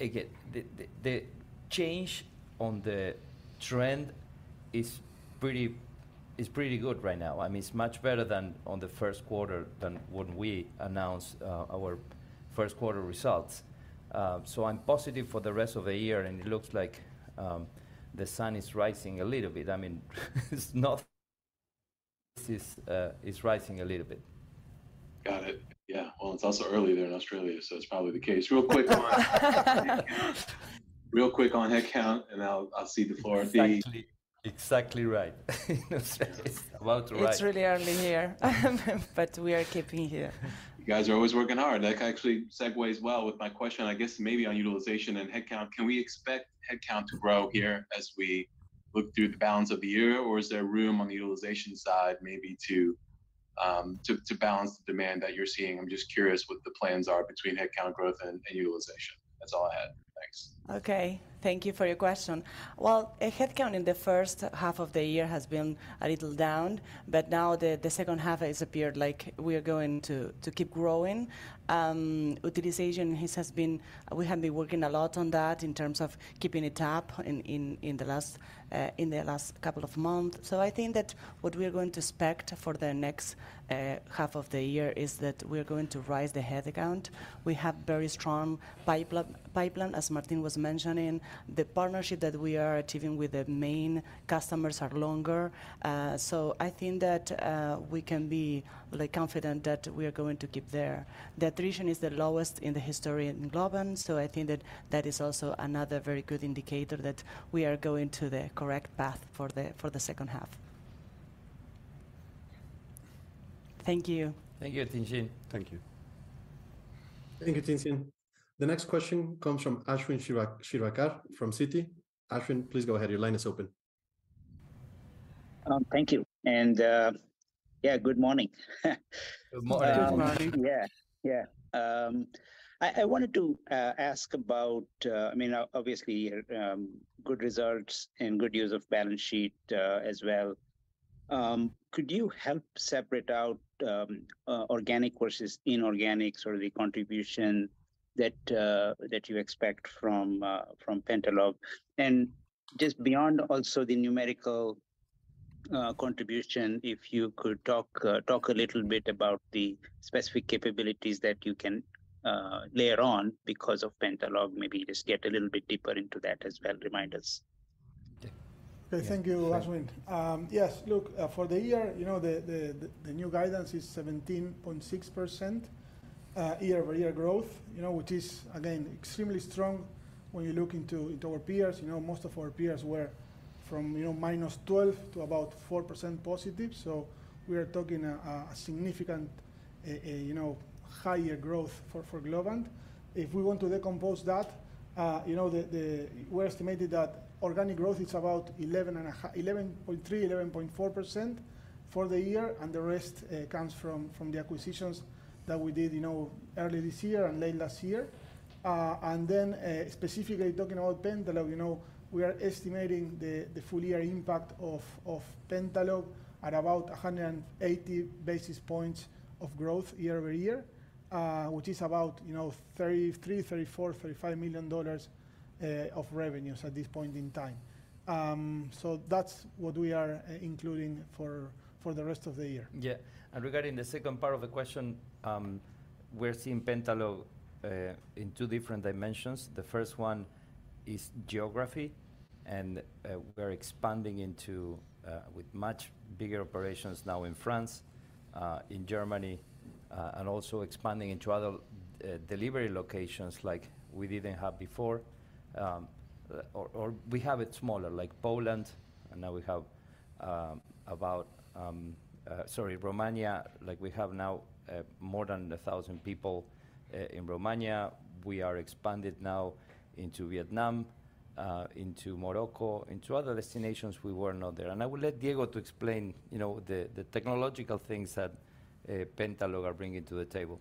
Again, the, the, the change on the trend is pretty, is pretty good right now. I mean, it's much better than on the first quarter than when we announced our first quarter results. I'm positive for the rest of the year. It looks like the sun is rising a little bit. I mean, it's not, it's, it's rising a little bit. Got it. Yeah. Well, it's also early there in Australia, so it's probably the case. Real quick on headcount, and I'll cede the floor. Exactly. Exactly right. About right. It's really early here, but we are keeping here. You guys are always working hard. That actually segues well with my question, I guess maybe on utilization and headcount. Can we expect headcount to grow here as we look through the balance of the year, or is there room on the utilization side, maybe to, to balance the demand that you're seeing? I'm just curious what the plans are between headcount growth and, and utilization. That's all I had. Thanks. Okay, thank you for your question. Well, headcount in the first half of the year has been a little down, now the second half has appeared like we are going to keep growing. Utilization has been. We have been working a lot on that in terms of keeping it up in the last couple of months. I think that what we are going to expect for the next half of the year is that we are going to rise the headcount. We have very strong pipeline, as Martín was mentioning. The partnership that we are achieving with the main customers are longer. I think that we can be, like, confident that we are going to keep there. The attrition is the lowest in the history in Globant, so I think that that is also another very good indicator that we are going to the correct path for the, for the second half. Thank you. Thank you, Tien-Tsin. Thank you. Thank you, Tien-Tsin. The next question comes from Ashwin Shirvaikar from Citi. Ashwin, please go ahead. Your line is open. Thank you, and, yeah, good morning. Good morning. Good morning. Yeah, yeah. I, I wanted to ask about, I mean, obviously, good results and good use of balance sheet as well. Could you help separate out organic versus inorganic, sort of the contribution that you expect from Pentalog? Just beyond also the numerical contribution, if you could talk talk a little bit about the specific capabilities that you can layer on because of Pentalog. Maybe just get a little bit deeper into that as well. Remind us. Okay, thank you, Ashwin. Yes, look, for the year, you know, the new guidance is 17.6% year-over-year growth, you know, which is, again, extremely strong when you look into our peers. You know, most of our peers were from, you know, -12% to about 4% positive, so we are talking a significant, you know, higher growth for Globant. If we want to decompose that, you know, we estimated that organic growth is about 11.3%-11.4% for the year, and the rest comes from the acquisitions that we did, you know, early this year and late last year. Specifically talking about Pentalog, you know, we are estimating the full year impact of Pentalog at about 180 basis points of growth year-over-year. Which is about, you know, $33 million, $34 million, $35 million of revenues at this point in time. That's what we are including for the rest of the year. Yeah, and regarding the second part of the question, we're seeing Pentalog in two different dimensions. The first one is geography, and we're expanding into with much bigger operations now in France, in Germany, and also expanding into other delivery locations like we didn't have before, or, or we have it smaller, like Poland, and now we have about sorry, Romania. Like, we have now more than 1,000 people in Romania. We are expanded now into Vietnam, into Morocco, into other destinations we were not there. And I will let Diego to explain, you know, the, the technological things that Pentalog are bringing to the table.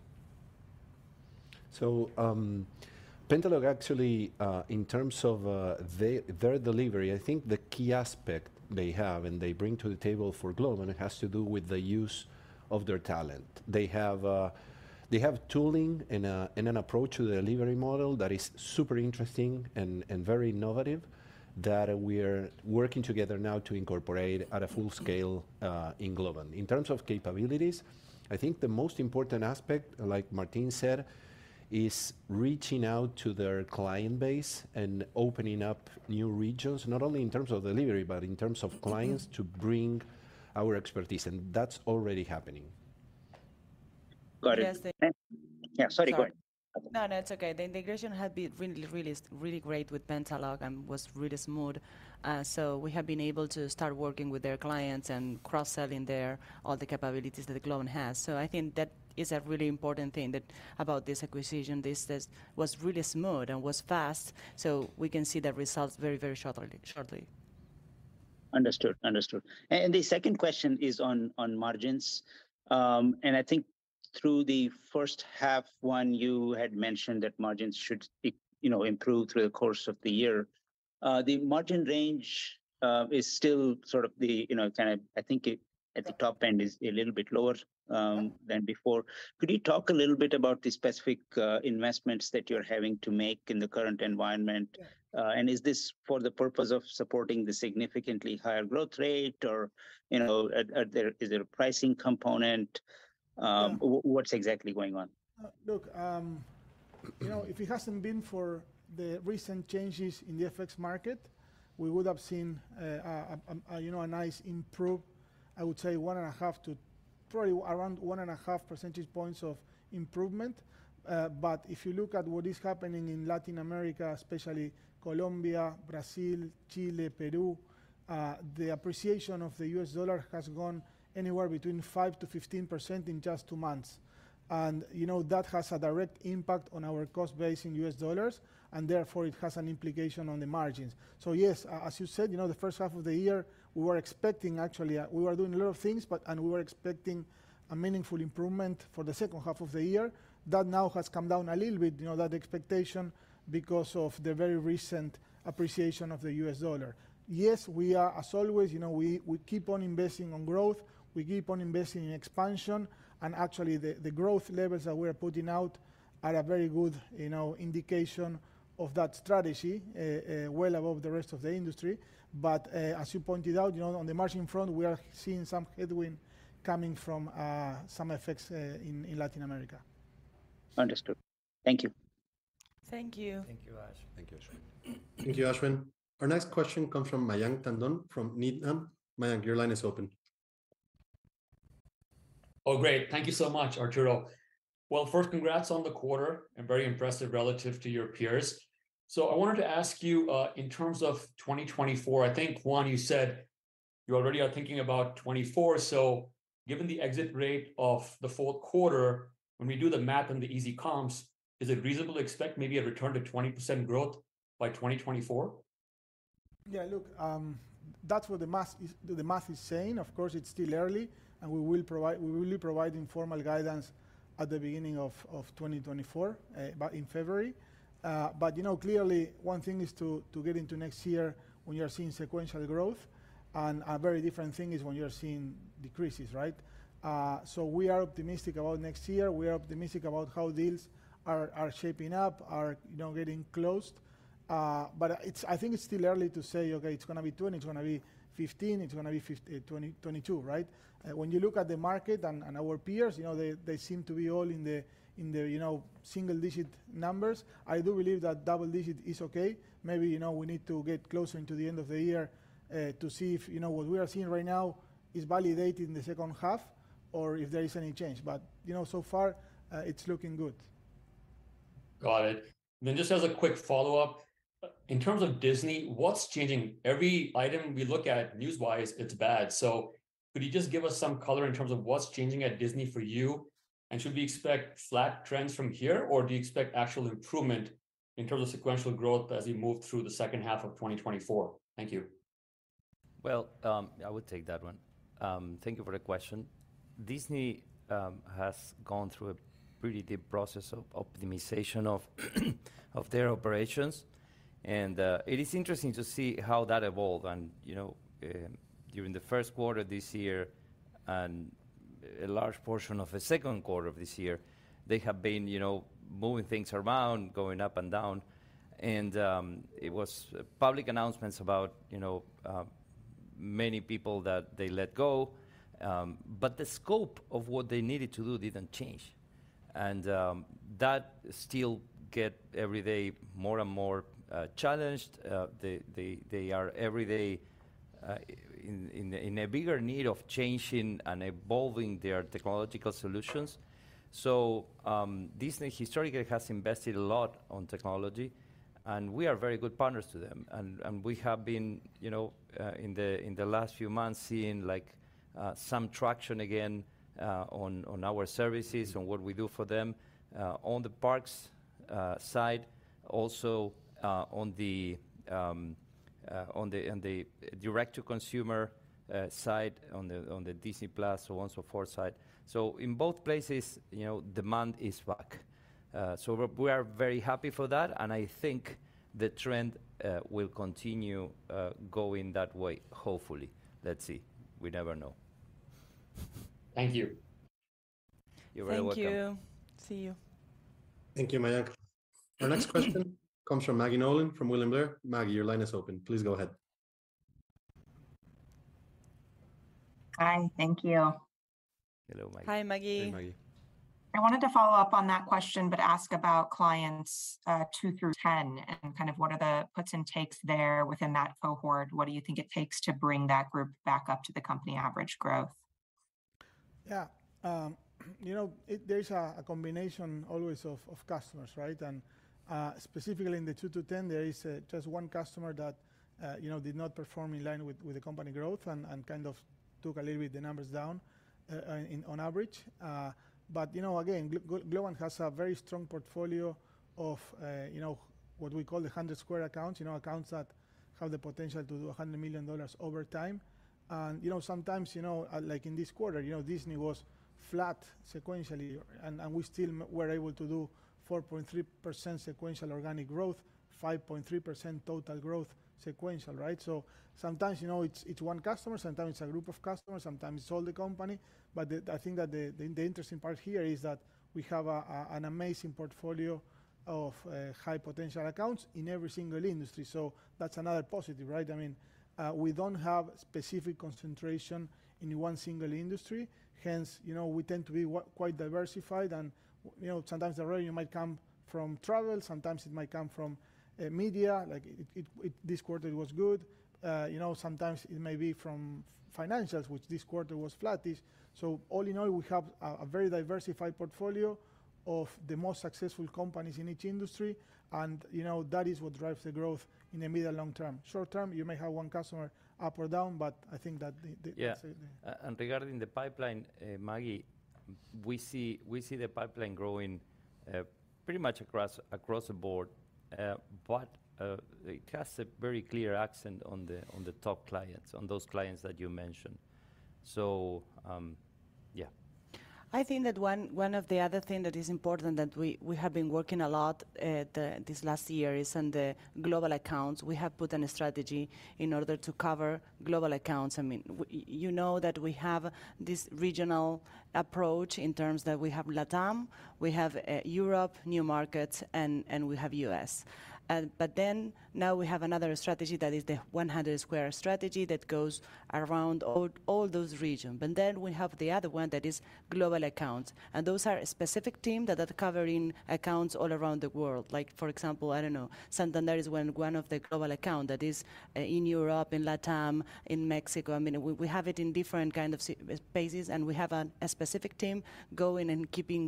Pentalog actually, in terms of their delivery, I think the key aspect they have and they bring to the table for Globant, it has to do with the use of their talent. They have tooling and an approach to the delivery model that is super interesting and very innovative, that we are working together now to incorporate at a full scale in Globant. In terms of capabilities, I think the most important aspect, like Martín said, is reaching out to their client base and opening up new regions. Not only in terms of delivery, but in terms of clients to bring our expertise, and that's already happening. Got it. Yes, thank- Yeah. Sorry, go ahead. Sorry. No, no, it's okay. The integration has been really, really, really great with Pentalog and was really smooth. We have been able to start working with their clients and cross-selling all the capabilities that Globant has. I think that is a really important thing that about this acquisition, this was really smooth and was fast, so we can see the results very, very shortly. Understood. Understood. The second question is on, on margins. I think through the first half, Juan, you had mentioned that margins should be, you know, improve through the course of the year. The margin range is still sort of the, you know, kind of I think it, at the top end, is a little bit lower than before. Could you talk a little bit about the specific investments that you're having to make in the current environment? Yeah. Is this for the purpose of supporting the significantly higher growth rate or, you know, is there a pricing component? Yeah What's exactly going on? Look, you know, if it hasn't been for the recent changes in the FX market, we would have seen, you know, a nice improve, I would say 1.5 to probably around 1.5 percentage points of improvement. If you look at what is happening in Latin America, especially Colombia, Brazil, Chile, Peru, the appreciation of the U.S. dollar has gone anywhere between 5%-15% in just two months. You know, that has a direct impact on our cost base in U.S. dollars, and therefore it has an implication on the margins. Yes, as you said, you know, the first half of the year, we were expecting. Actually, we were doing a lot of things, and we were expecting a meaningful improvement for the second half of the year. That now has come down a little bit, you know, that expectation, because of the very recent appreciation of the U.S. dollar. Yes, we are, as always, you know, we, we keep on investing on growth, we keep on investing in expansion, and actually, the, the growth levels that we're putting out are a very good, you know, indication of that strategy, well above the rest of the industry. But, as you pointed out, you know, on the margin front, we are seeing some headwind coming from, some effects, in Latin America. Understood. Thank you. Thank you. Thank you, Ash. Thank you, Ashwin. Thank you, Ashwin. Our next question comes from Mayank Tandon from Needham. Mayank, your line is open. Oh, great. Thank you so much, Arturo. Well, first, congrats on the quarter, and very impressive relative to your peers. I wanted to ask you, in terms of 2024, I think, Juan, you said you already are thinking about 2024. Given the exit rate of the fourth quarter, when we do the math and the easy comps, is it reasonable to expect maybe a return to 20% growth by 2024? Yeah, look, that's what the math is, the math is saying. Of course, it's still early, and we will provide, we will be providing formal guidance at the beginning of, of 2024, by in February. You know, clearly, one thing is to, to get into next year when you are seeing sequential growth, and a very different thing is when you are seeing decreases, right? We are optimistic about next year. We are optimistic about how deals are, are shaping up, are, getting closed. It's-- I think it's still early to say, "Okay, it's gonna be 20, it's gonna be 15, it's gonna be 20, 22," right? When you look at the market and, and our peers, you know, they, they seem to be all in the, in the, single-digit numbers. I do believe that double digit is okay. Maybe, you know, we need to get closer into the end of the year, to see if, you know, what we are seeing right now is validated in the second half or if there is any change. You know, so far, it's looking good. Got it. Just as a quick follow-up, in terms of Disney, what's changing? Every item we look at news-wise, it's bad. Could you just give us some color in terms of what's changing at Disney for you, and should we expect flat trends from here, or do you expect actual improvement in terms of sequential growth as we move through the second half of 2024? Thank you. Well, I would take that one. Thank you for the question. Disney has gone through a pretty deep process of optimization of, of their operations, and it is interesting to see how that evolved. You know, during the first quarter this year and a large portion of the second quarter of this year, they have been, you know, moving things around, going up and down. It was public announcements about, you know, many people that they let go, but the scope of what they needed to do didn't change. That still get every day more and more challenged. They, they, they are every day in, in, in a bigger need of changing and evolving their technological solutions. Disney historically has invested a lot on technology, and we are very good partners to them. We have been, you know, in the last few months, seeing like some traction again on our services, on what we do for them, on the parks side, also on the direct-to-consumer side, on the Disney+, so on and so forth side. In both places, you know, demand is back. We are very happy for that, and I think the trend will continue going that way, hopefully. Let's see. We never know. Thank you. You're very welcome. Thank you. See you. Thank you, Mayank. Our next question comes from Maggie Nolan from William Blair. Maggie, your line is open. Please go ahead. Hi. Thank you. Hello, Maggie. Hi, Maggie. Hi, Maggie. I wanted to follow up on that question, but ask about clients, two through 10, and kind of what are the puts and takes there within that cohort? What do you think it takes to bring that group back up to the company average growth? Yeah, you know, there's a combination always of customers, right? Specifically in the two to 10, there is just one customer that, you know, did not perform in line with the company growth and kind of took a little bit the numbers down on average. You know, again, Globant has a very strong portfolio of, you know, what we call the 100 Squared accounts, you know, accounts that have the potential to do $100 million over time. You know, sometimes, you know, like in this quarter, you know, Disney was flat sequentially, and we still were able to do 4.3% sequential organic growth, 5.3% total growth sequential, right? Sometimes, you know, it's, it's one customer, sometimes it's a group of customers, sometimes it's all the company. I think that the interesting part here is that we have an amazing portfolio of high-potential accounts in every single industry, so that's another positive, right? I mean, we don't have specific concentration in one single industry. Hence, you know, we tend to be quite diversified and, you know, sometimes the revenue might come from travel, sometimes it might come from media, like, this quarter it was good. You know, sometimes it may be from financials, which this quarter was flat-ish. All in all, we have a very diversified portfolio of the most successful companies in each industry, and, you know, that is what drives the growth in the medium-long term. Short term, you may have one customer up or down, but I think that the. Yeah. That's it. Regarding the pipeline, Maggie, we see, we see the pipeline growing pretty much across, across the board. It has a very clear accent on the, on the top clients, on those clients that you mentioned. Yeah. I think that one, one of the other thing that is important that we, we have been working a lot at this last year is in the global accounts. We have put in a strategy in order to cover global accounts. I mean, you know that we have this regional approach in terms that we have LATAM, we have Europe, new markets, and we have U.S. Now we have another strategy that is the 100 Squared strategy that goes around all those region. We have the other one that is global accounts, and those are a specific team that are covering accounts all around the world. Like for example, I don't know, Santander is one, one of the global account that is in Europe, in LATAM, in Mexico. I mean, we, we have it in different kind of bases, and we have a specific team going and keeping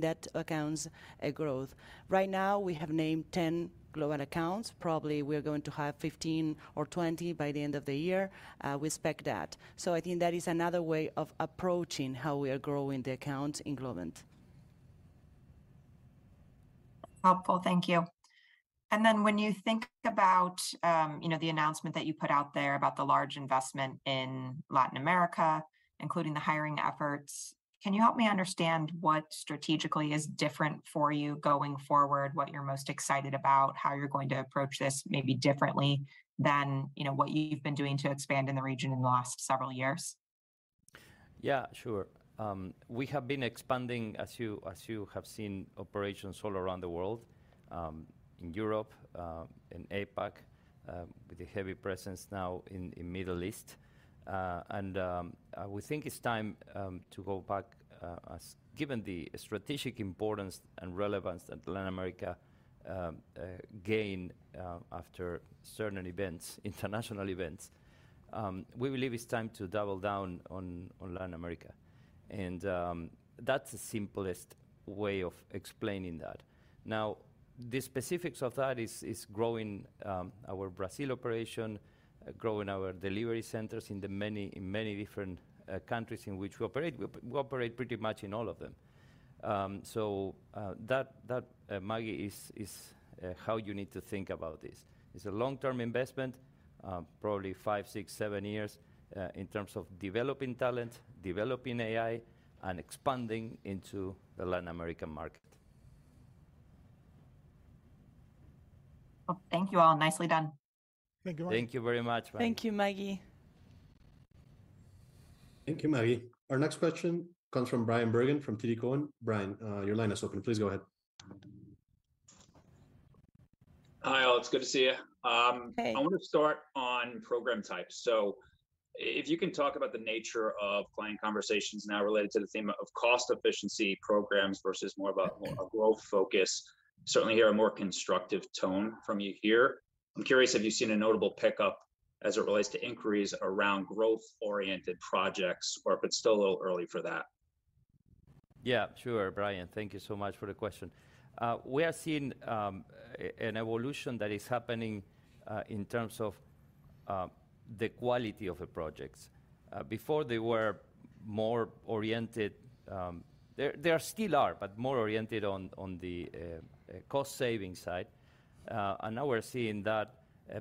that accounts, growth. Right now, we have named 10 global accounts. Probably we are going to have 15 or 20 by the end of the year. We expect that. I think that is another way of approaching how we are growing the accounts in Globant. Helpful. Thank you. Then when you think about, you know, the announcement that you put out there about the large investment in Latin America, including the hiring efforts, can you help me understand what strategically is different for you going forward, what you're most excited about, how you're going to approach this maybe differently than, you know, what you've been doing to expand in the region in the last several years? Sure. We have been expanding, as you, as you have seen, operations all around the world, in Europe, in APAC, with a heavy presence now in, in Middle East. We think it's time to go back. Given the strategic importance and relevance that Latin America gained after certain events, international events, we believe it's time to double down on Latin America, and that's the simplest way of explaining that. Now, the specifics of that is, is growing our Brazil operation, growing our delivery centers in the many, in many different countries in which we operate. We, we operate pretty much in all of them. That, that, Maggie, is, is how you need to think about this. It's a long-term investment, probably five, six, seven years, in terms of developing talent, developing AI, and expanding into the Latin American market. Well, thank you, all. Nicely done. Thank you, Maggie. Thank you very much, Maggie. Thank you, Maggie. Thank you, Maggie. Our next question comes from Bryan Bergin from TD Cowen. Bryan, your line is open. Please go ahead. Hi, all. It's good to see you. Hey. I want to start on program types. If you can talk about the nature of client conversations now related to the theme of cost efficiency programs versus more of a growth focus, certainly hear a more constructive tone from you here. I'm curious, have you seen a notable pickup as it relates to inquiries around growth-oriented projects, or if it's still a little early for that? Yeah, sure, Bryan, thank you so much for the question. We are seeing an evolution that is happening in terms of the quality of the projects. Before they were more oriented, they are still are, but more oriented on the cost saving side. Now we're seeing that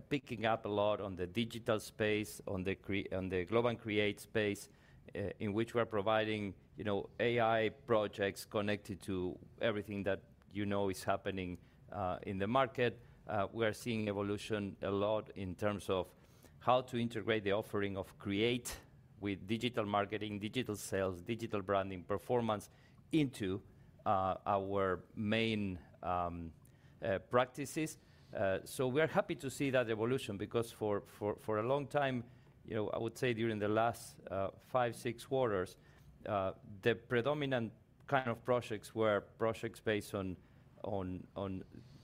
picking up a lot on the digital space, on the Globant Create space, in which we're providing, you know, AI projects connected to everything that you know is happening in the market. We are seeing evolution a lot in terms of how to integrate the offering of Create with digital marketing, digital sales, digital branding, performance into our main practices. We're happy to see that evolution because for a long time, you know, I would say during the last five, six quarters, the predominant kind of projects were projects based on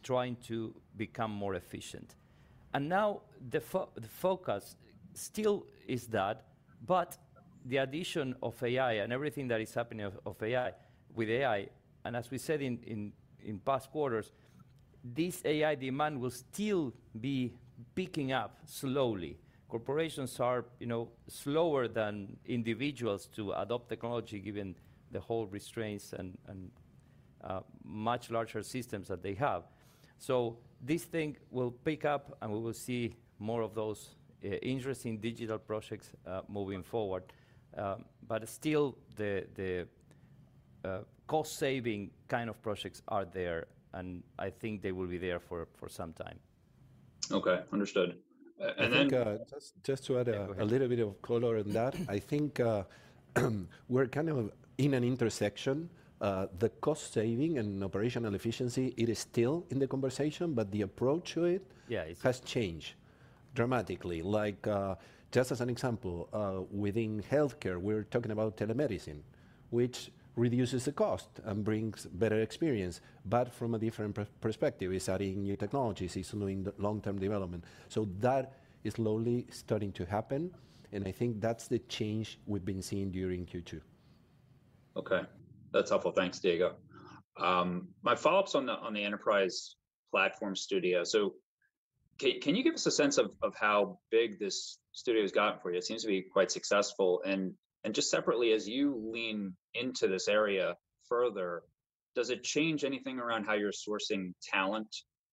trying to become more efficient. Now, the focus still is that, but the addition of AI and everything that is happening of AI, with AI, and as we said in past quarters, this AI demand will still be picking up slowly. Corporations are, you know, slower than individuals to adopt technology, given the whole restraints and much larger systems that they have. This thing will pick up, and we will see more of those interesting digital projects moving forward. Still, the, the, cost-saving kind of projects are there, and I think they will be there for, for some time. Okay. Understood. I think, just, just to add- Go ahead.... a little bit of color on that. I think, we're kind of in an intersection. The cost saving and operational efficiency, it is still in the conversation, but the approach to it- Yeah.... has changed dramatically. Like, just as an example, within healthcare, we're talking about telemedicine, which reduces the cost and brings better experience, but from a different perspective. It's adding new technologies. It's doing the long-term development. That is slowly starting to happen, and I think that's the change we've been seeing during Q2. Okay. That's helpful. Thanks, Diego. My follow-up's on the, on the Enterprise Platform Studio. Can you give us a sense of, of how big this Studio has gotten for you? It seems to be quite successful. Just separately, as you lean into this area further, does it change anything around how you're sourcing talent,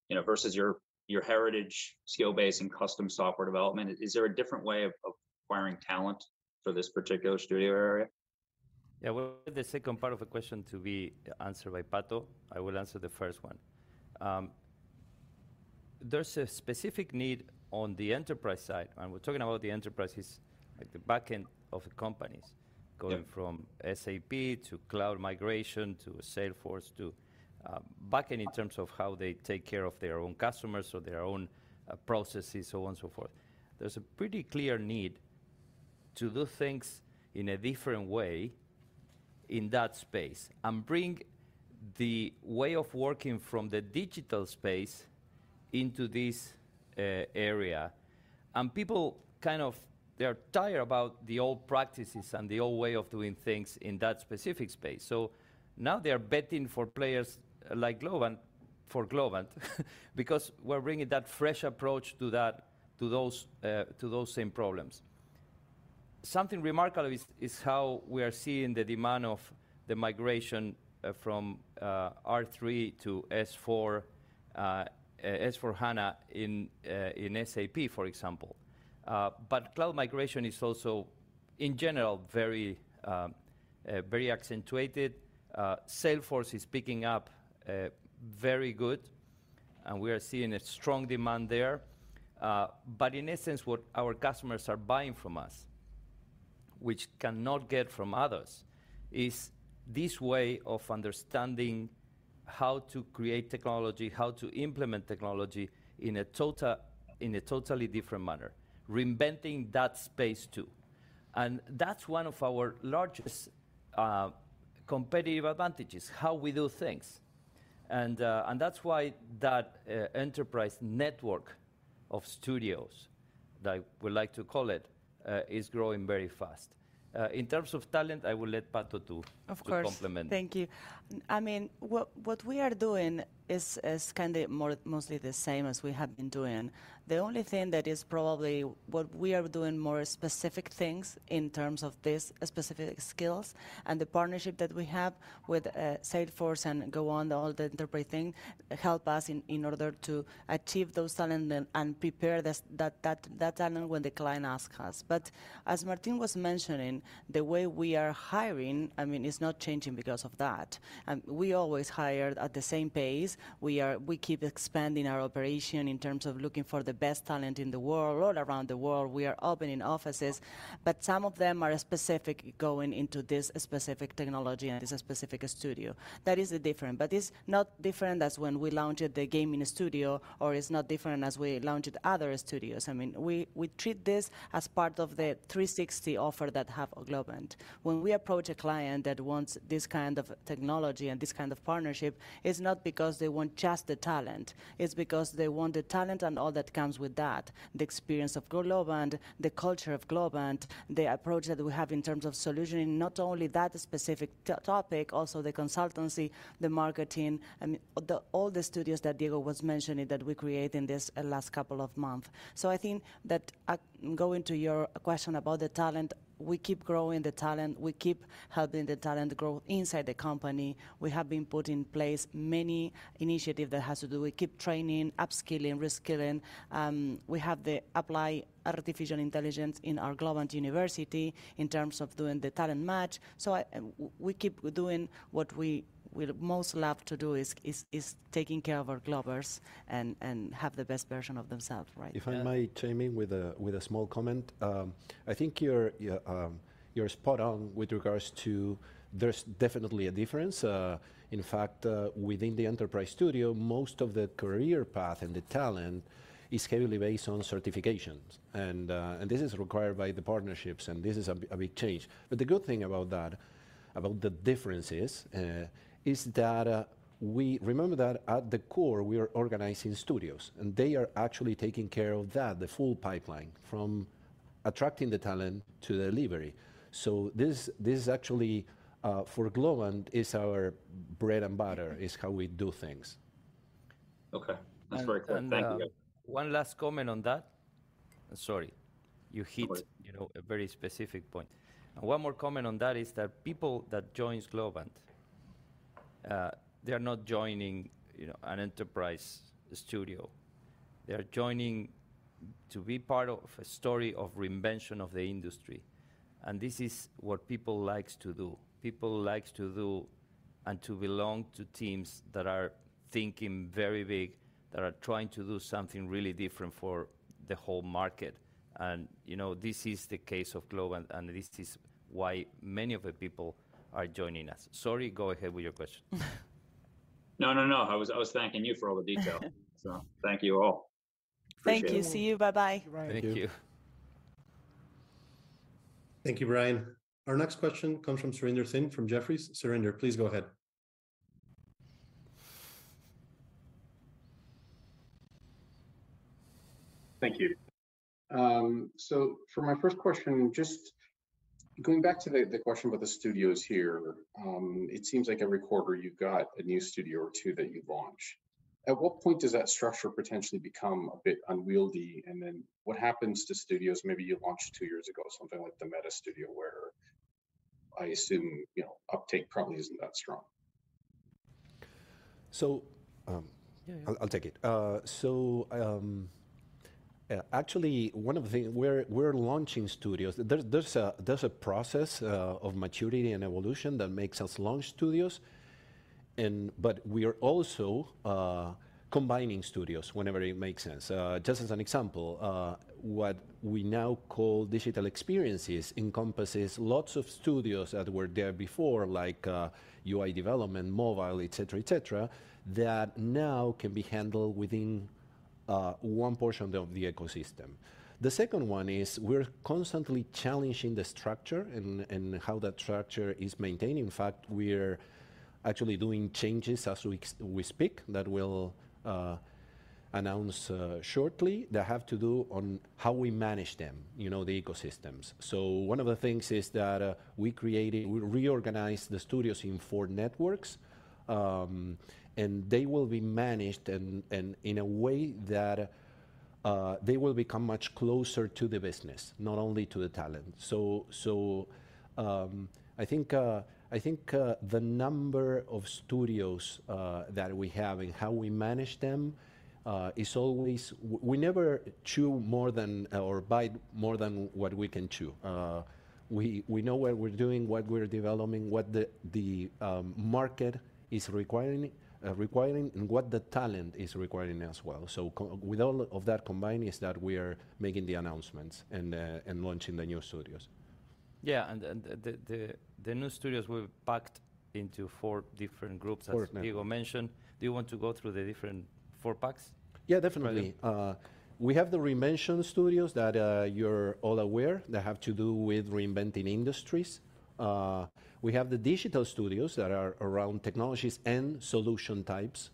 you know, versus your, your heritage, skill base, and custom software development? Is there a different way of, of acquiring talent for this particular Studio area? Yeah, well, the second part of the question to be answered by Pato. I will answer the first one. There's a specific need on the enterprise side, and we're talking about the enterprise as, like, the back end of companies- Yep... going from SAP to cloud migration to Salesforce to back end in terms of how they take care of their own customers or their own processes, so on and so forth. There's a pretty clear need to do things in a different way in that space and bring the way of working from the digital space into this area. People kind of they are tired about the old practices and the old way of doing things in that specific space. So now they are betting for players like Globant, for Globant, because we're bringing that fresh approach to that, to those, to those same problems. Something remarkable is, is how we are seeing the demand of the migration from R/3 to S/4, S/4HANA in SAP, for example. Cloud migration is also, in general, very accentuated. Salesforce is picking up very good, and we are seeing a strong demand there. In essence, what our customers are buying from us, which cannot get from others, is this way of understanding how to create technology, how to implement technology in a totally different manner, reinventing that space, too. That's one of our largest competitive advantages, how we do things. That's why that enterprise network of studios, that I would like to call it, is growing very fast. In terms of talent, I will let Pato to- Of course.... to complement. Thank you. I mean, what, what we are doing is, is kind of more, mostly the same as we have been doing. The only thing that is probably what we are doing more specific things in terms of this specific skills and the partnership that we have with Salesforce and go on all the enterprise thing, help us in, in order to achieve those talent and, and prepare this, that, that, that talent when the client ask us. As Martín was mentioning, the way we are hiring, I mean, it's not changing because of that. We always hire at the same pace. We keep expanding our operation in terms of looking for the best talent in the world, all around the world. We are opening offices, but some of them are specific, going into this specific technology and this specific studio. That is the different, but it's not different as when we launched the gaming studio or it's not different as we launched other studios. I mean, we, we treat this as part of the 360 offer that have Globant. When we approach a client that wants this kind of technology and this kind of partnership, it's not because they want just the talent. It's because they want the talent and all that comes with that, the experience of Globant, the culture of Globant, the approach that we have in terms of solutioning, not only that specific topic, also the consultancy, the marketing, and all the studios that Diego was mentioning that we create in this last couple of months. I think that, going to your question about the talent, we keep growing the talent. We keep helping the talent grow inside the company. We have been put in place many initiatives that has to do with keep training, upskilling, reskilling. We have the Applied Artificial Intelligence in our Globant University in terms of doing the talent match. We keep doing what we, we most love to do is taking care of our Globers and have the best version of themselves, right? Yeah. If I may chime in with a, with a small comment. I think you're, you're spot on with regards to there's definitely a difference. In fact, within the Enterprise Studio, most of the career path and the talent is heavily based on certifications, and this is required by the partnerships, and this is a big, a big change. The good thing about that, about the differences, is that we, remember that at the core, we are organizing studios, and they are actually taking care of that, the full pipeline, from attracting the talent to the delivery. This, this actually, for Globant is our bread and butter, is how we do things. Okay. That's very clear. Thank you. One last comment on that. Sorry, you hit- Go ahead.... you know, a very specific point. One more comment on that is that people that joins Globant, they are not joining, you know, an Enterprise Studio. They are joining to be part of a story of reinvention of the industry, and this is what people likes to do. People likes to do and to belong to teams that are thinking very big, that are trying to do something really different for the whole market. You know, this is the case of Globant, and this is why many of the people are joining us. Sorry, go ahead with your question. No, no, no. I was, I was thanking you for all the detail. Thank you all. Thank you. Appreciate it. See you. Bye-bye. Bye. Thank you. Thank you, Bryan. Our next question comes from Surinder Thind from Jefferies. Surinder, please go ahead. Thank you. For my first question, just going back to the question about the studios here, it seems like every quarter you've got a new studio or two that you launch. At what point does that structure potentially become a bit unwieldy? What happens to studios maybe you launched two years ago, something like the Metaverse Studio, where I assume, you know, uptake probably isn't that strong? So, um- Yeah, yeah. I'll, I'll take it. Actually, we're, we're launching studios. There's, there's a, there's a process of maturity and evolution that makes us launch studios. We are also combining studios whenever it makes sense. Just as an example, what we now call digital experiences encompasses lots of studios that were there before, like, UI development, mobile, et cetera, et cetera, that now can be handled within one portion of the ecosystem. The second one is we're constantly challenging the structure and, and how that structure is maintained. In fact, we're actually doing changes as we, we speak that we'll announce shortly, that have to do on how we manage them, you know, the ecosystems. One of the things is that we created. We reorganized the studios in four networks, they will be managed and in a way that they will become much closer to the business, not only to the talent. I think, I think, the number of studios that we have and how we manage them is always, we never chew more than, or bite more than what we can chew. We know what we're doing, what we're developing, what the market is requiring, requiring, and what the talent is requiring as well. With all of that combined is that we are making the announcements and launching the new studios. Yeah, and, and the, the, the new studios were packed into four different groups- Four groups.... as Diego mentioned. Do you want to go through the different four packs? Yeah, definitely. Okay. We have Reinvention Studios that you're all aware, that have to do with reinventing industries. We have Digital Studios that are around technologies and solution types.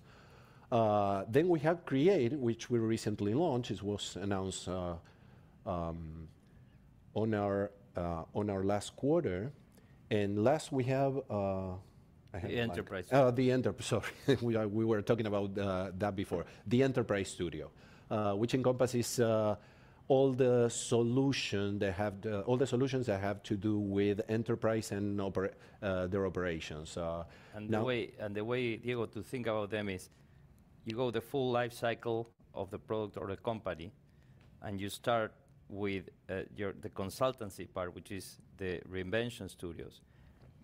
Then we have Create, which we recently launched, it was announced on our on our last quarter. Last, we have, I have- the Enterprise. Oh, the enterprise. Sorry, we are, we were talking about that before. The Enterprise Studio, which encompasses all the solutions that have to do with enterprise and their operations. The way, and the way, Diego, to think about them is you go the full life cycle of the product or the company, and you start with your, the consultancy part, which is Reinvention Studios.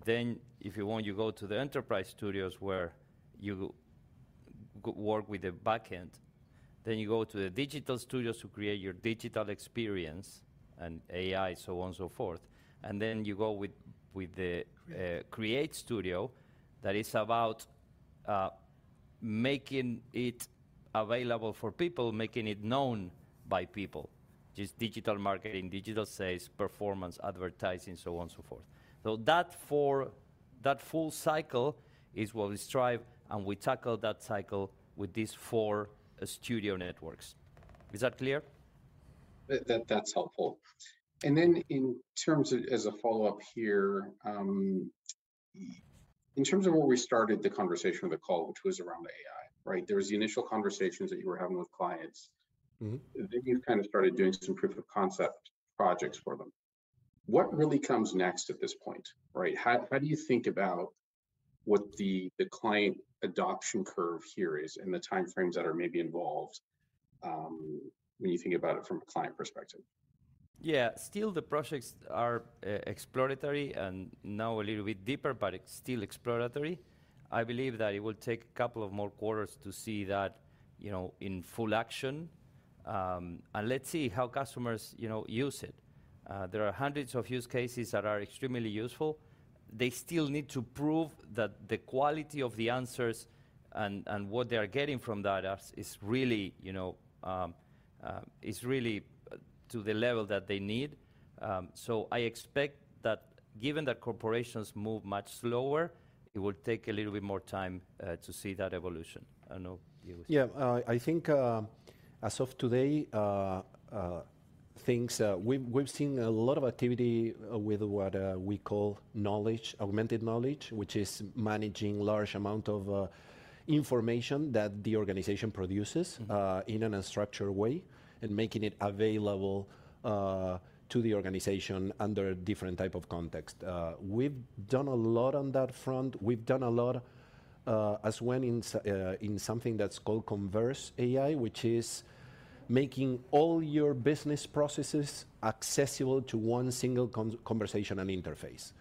if you want, you go to the Enterprise Studios, where you work with the back end, then you go to Digital Studios to create your digital experience and AI, so on and so forth. Then you go with, with the Create studio, that is about, making it available for people, making it known by people, just digital marketing, digital sales, performance, advertising, so on and so forth. That four, that full cycle is what we strive, and we tackle that cycle with these four studio networks. Is that clear? That, that, that's helpful. Then in terms of, as a follow-up here, in terms of where we started the conversation of the call, which was around AI, right? There was the initial conversations that you were having with clients. Mm-hmm. You kind of started doing some proof of concept projects for them. What really comes next at this point, right? How, how do you think about what the, the client adoption curve here is, and the time frames that are maybe involved when you think about it from a client perspective? Yeah. Still, the projects are exploratory and now a little bit deeper, but it's still exploratory. I believe that it will take a couple of more quarters to see that, you know, in full action. Let's see how customers, you know, use it. There are hundreds of use cases that are extremely useful. They still need to prove that the quality of the answers and, and what they are getting from that is, is really, you know, is really to the level that they need. So I expect that given that corporations move much slower, it will take a little bit more time to see that evolution. I don't know, you- I think, as of today, things, we've, we've seen a lot of activity with what we call knowledge, Augmented Knowledge, which is managing large amount of information that the organization produces... Mm-hmm... in an unstructured way, and making it available to the organization under a different type of context. We've done a lot on that front. We've done a lot, as when in something that's called Converse AI, which is making all your business processes accessible to one single conversation and interface,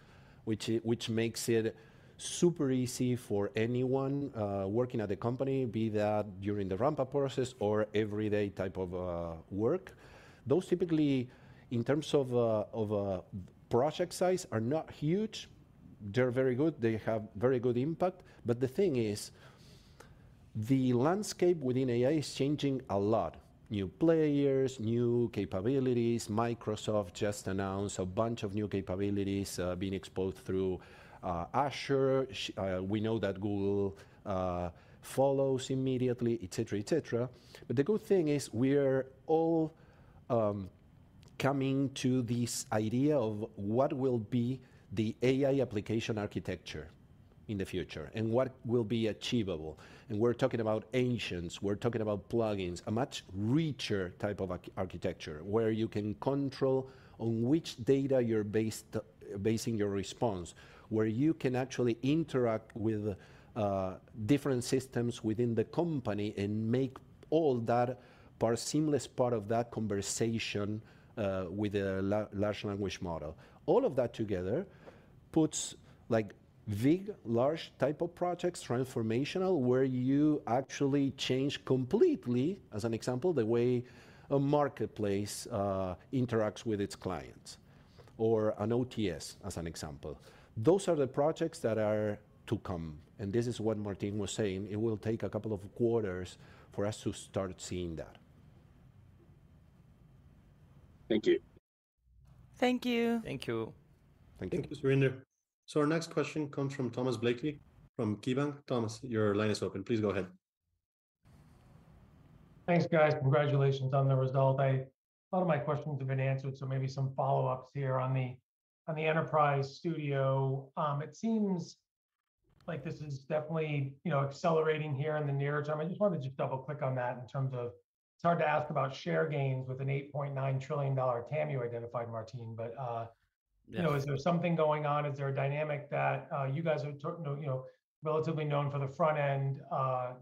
which makes it super easy for anyone working at the company, be that during the ramp-up process or everyday type of work. Those typically, in terms of project size, are not huge. They're very good. They have very good impact. The thing is, the landscape within AI is changing a lot. New players, new capabilities. Microsoft just announced a bunch of new capabilities, being exposed through Azure. We know that Google follows immediately, et cetera, et cetera. The good thing is, we're all coming to this idea of what will be the AI application architecture in the future, and what will be achievable. We're talking about agents, we're talking about plugins, a much richer type of architecture, where you can control on which data you're based, basing your response, where you can actually interact with different systems within the company and make all that part, seamless part of that conversation with a large language model. All of that together puts like, big, large type of projects, transformational, where you actually change completely, as an example, the way a marketplace interacts with its clients, or an OTS, as an example. Those are the projects that are to come, and this is what Martín was saying. It will take a couple of quarters for us to start seeing that. Thank you. Thank you. Thank you. Thank you. Thank you, Surinder. Our next question comes from Tom Blakey from KeyBanc. Thomas, your line is open. Please go ahead. Thanks, guys. Congratulations on the result. I, a lot of my questions have been answered, so maybe some follow-ups here on the, on the Enterprise Studio. It seems like this is definitely, you know, accelerating here in the near term. I just wanted to just double-click on that in terms of, it's hard to ask about share gains with an $8.9 trillion TAM you identified, Martín, but, Yes You know, is there something going on? Is there a dynamic that you guys are know, you know, relatively known for the front end,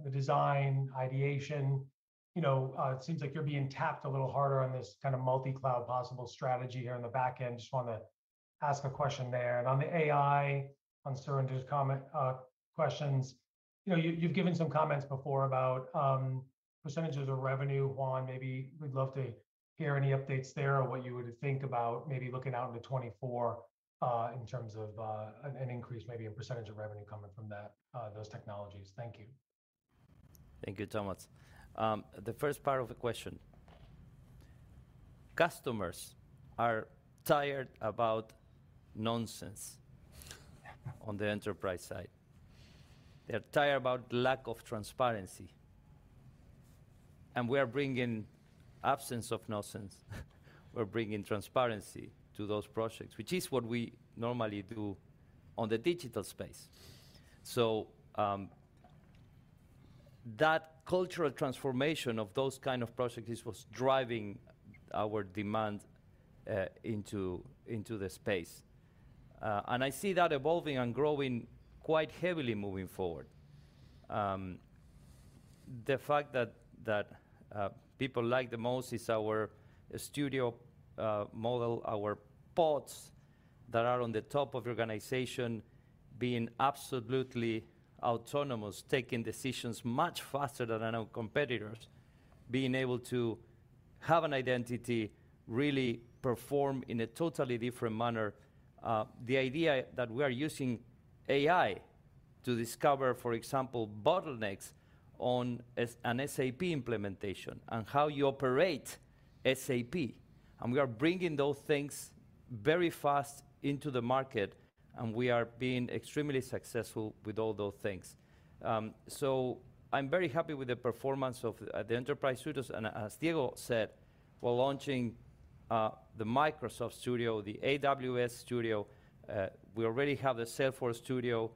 the design, ideation. You know, it seems like you're being tapped a little harder on this kind of multi-cloud possible strategy here on the back end. Just want to ask a question there. On the AI, on Surinder's comment, questions, you know, you, you've given some comments before about % of revenue. Juan, maybe we'd love to hear any updates there, or what you would think about maybe looking out into 2024, in terms of an increase, maybe a percentage of revenue coming from that, those technologies. Thank you. Thank you, Thomas. The first part of the question. Customers are tired about nonsense on the enterprise side. They're tired about lack of transparency, and we're bringing absence of nonsense. We're bringing transparency to those projects, which is what we normally do on the digital space. That cultural transformation of those kind of projects is what's driving our demand into the space. And I see that evolving and growing quite heavily moving forward. The fact that people like the most is our studio model, our bots that are on the top of organization being absolutely autonomous, taking decisions much faster than our competitors. Being able to have an identity, really perform in a totally different manner. The idea that we are using AI to discover, for example, bottlenecks on an SAP implementation and how you operate SAP, and we are bringing those things very fast into the market, and we are being extremely successful with all those things. I'm very happy with the performance of the Enterprise Studios. As Diego said, we're launching the Microsoft Studio, the AWS Studio, we already have the Salesforce Studio,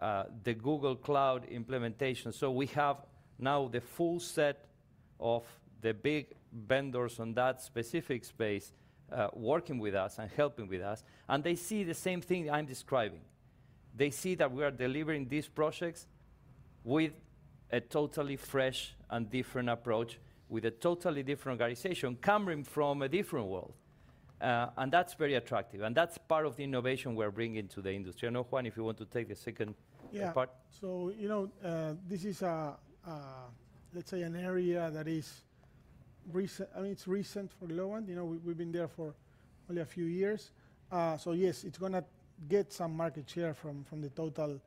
the Google Cloud implementation. We have now the full set of the big vendors on that specific space, working with us and helping with us, and they see the same thing I'm describing. They see that we are delivering these projects with a totally fresh and different approach, with a totally different organization coming from a different world. That's very attractive, and that's part of the innovation we're bringing to the industry. I don't know, Juan, if you want to take the second- Yeah... part. You know, this is a, let's say, an area that is recent, I mean, it's recent for Globant. You know, we've been there for only a few years. yes, it's gonna get some market share from, from the total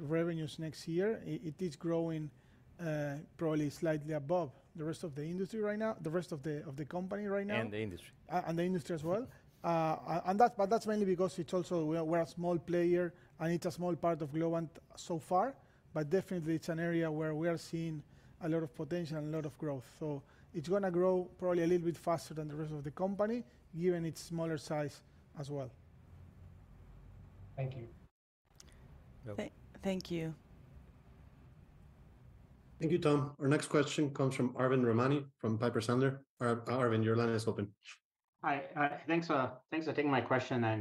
revenues next year. It is growing, probably slightly above the rest of the industry right now, the rest of the company right now. The industry. The industry as well. That's mainly because it's also, we are, we're a small player, and it's a small part of Globant so far, definitely it's an area where we are seeing a lot of potential and a lot of growth. It's gonna grow probably a little bit faster than the rest of the company, given its smaller size as well. Thank you. Thank you. Thank you, Tom. Our next question comes from Arvind Ramnani, from Piper Sandler. Arvind, your line is open. Hi, thanks for, thanks for taking my question. You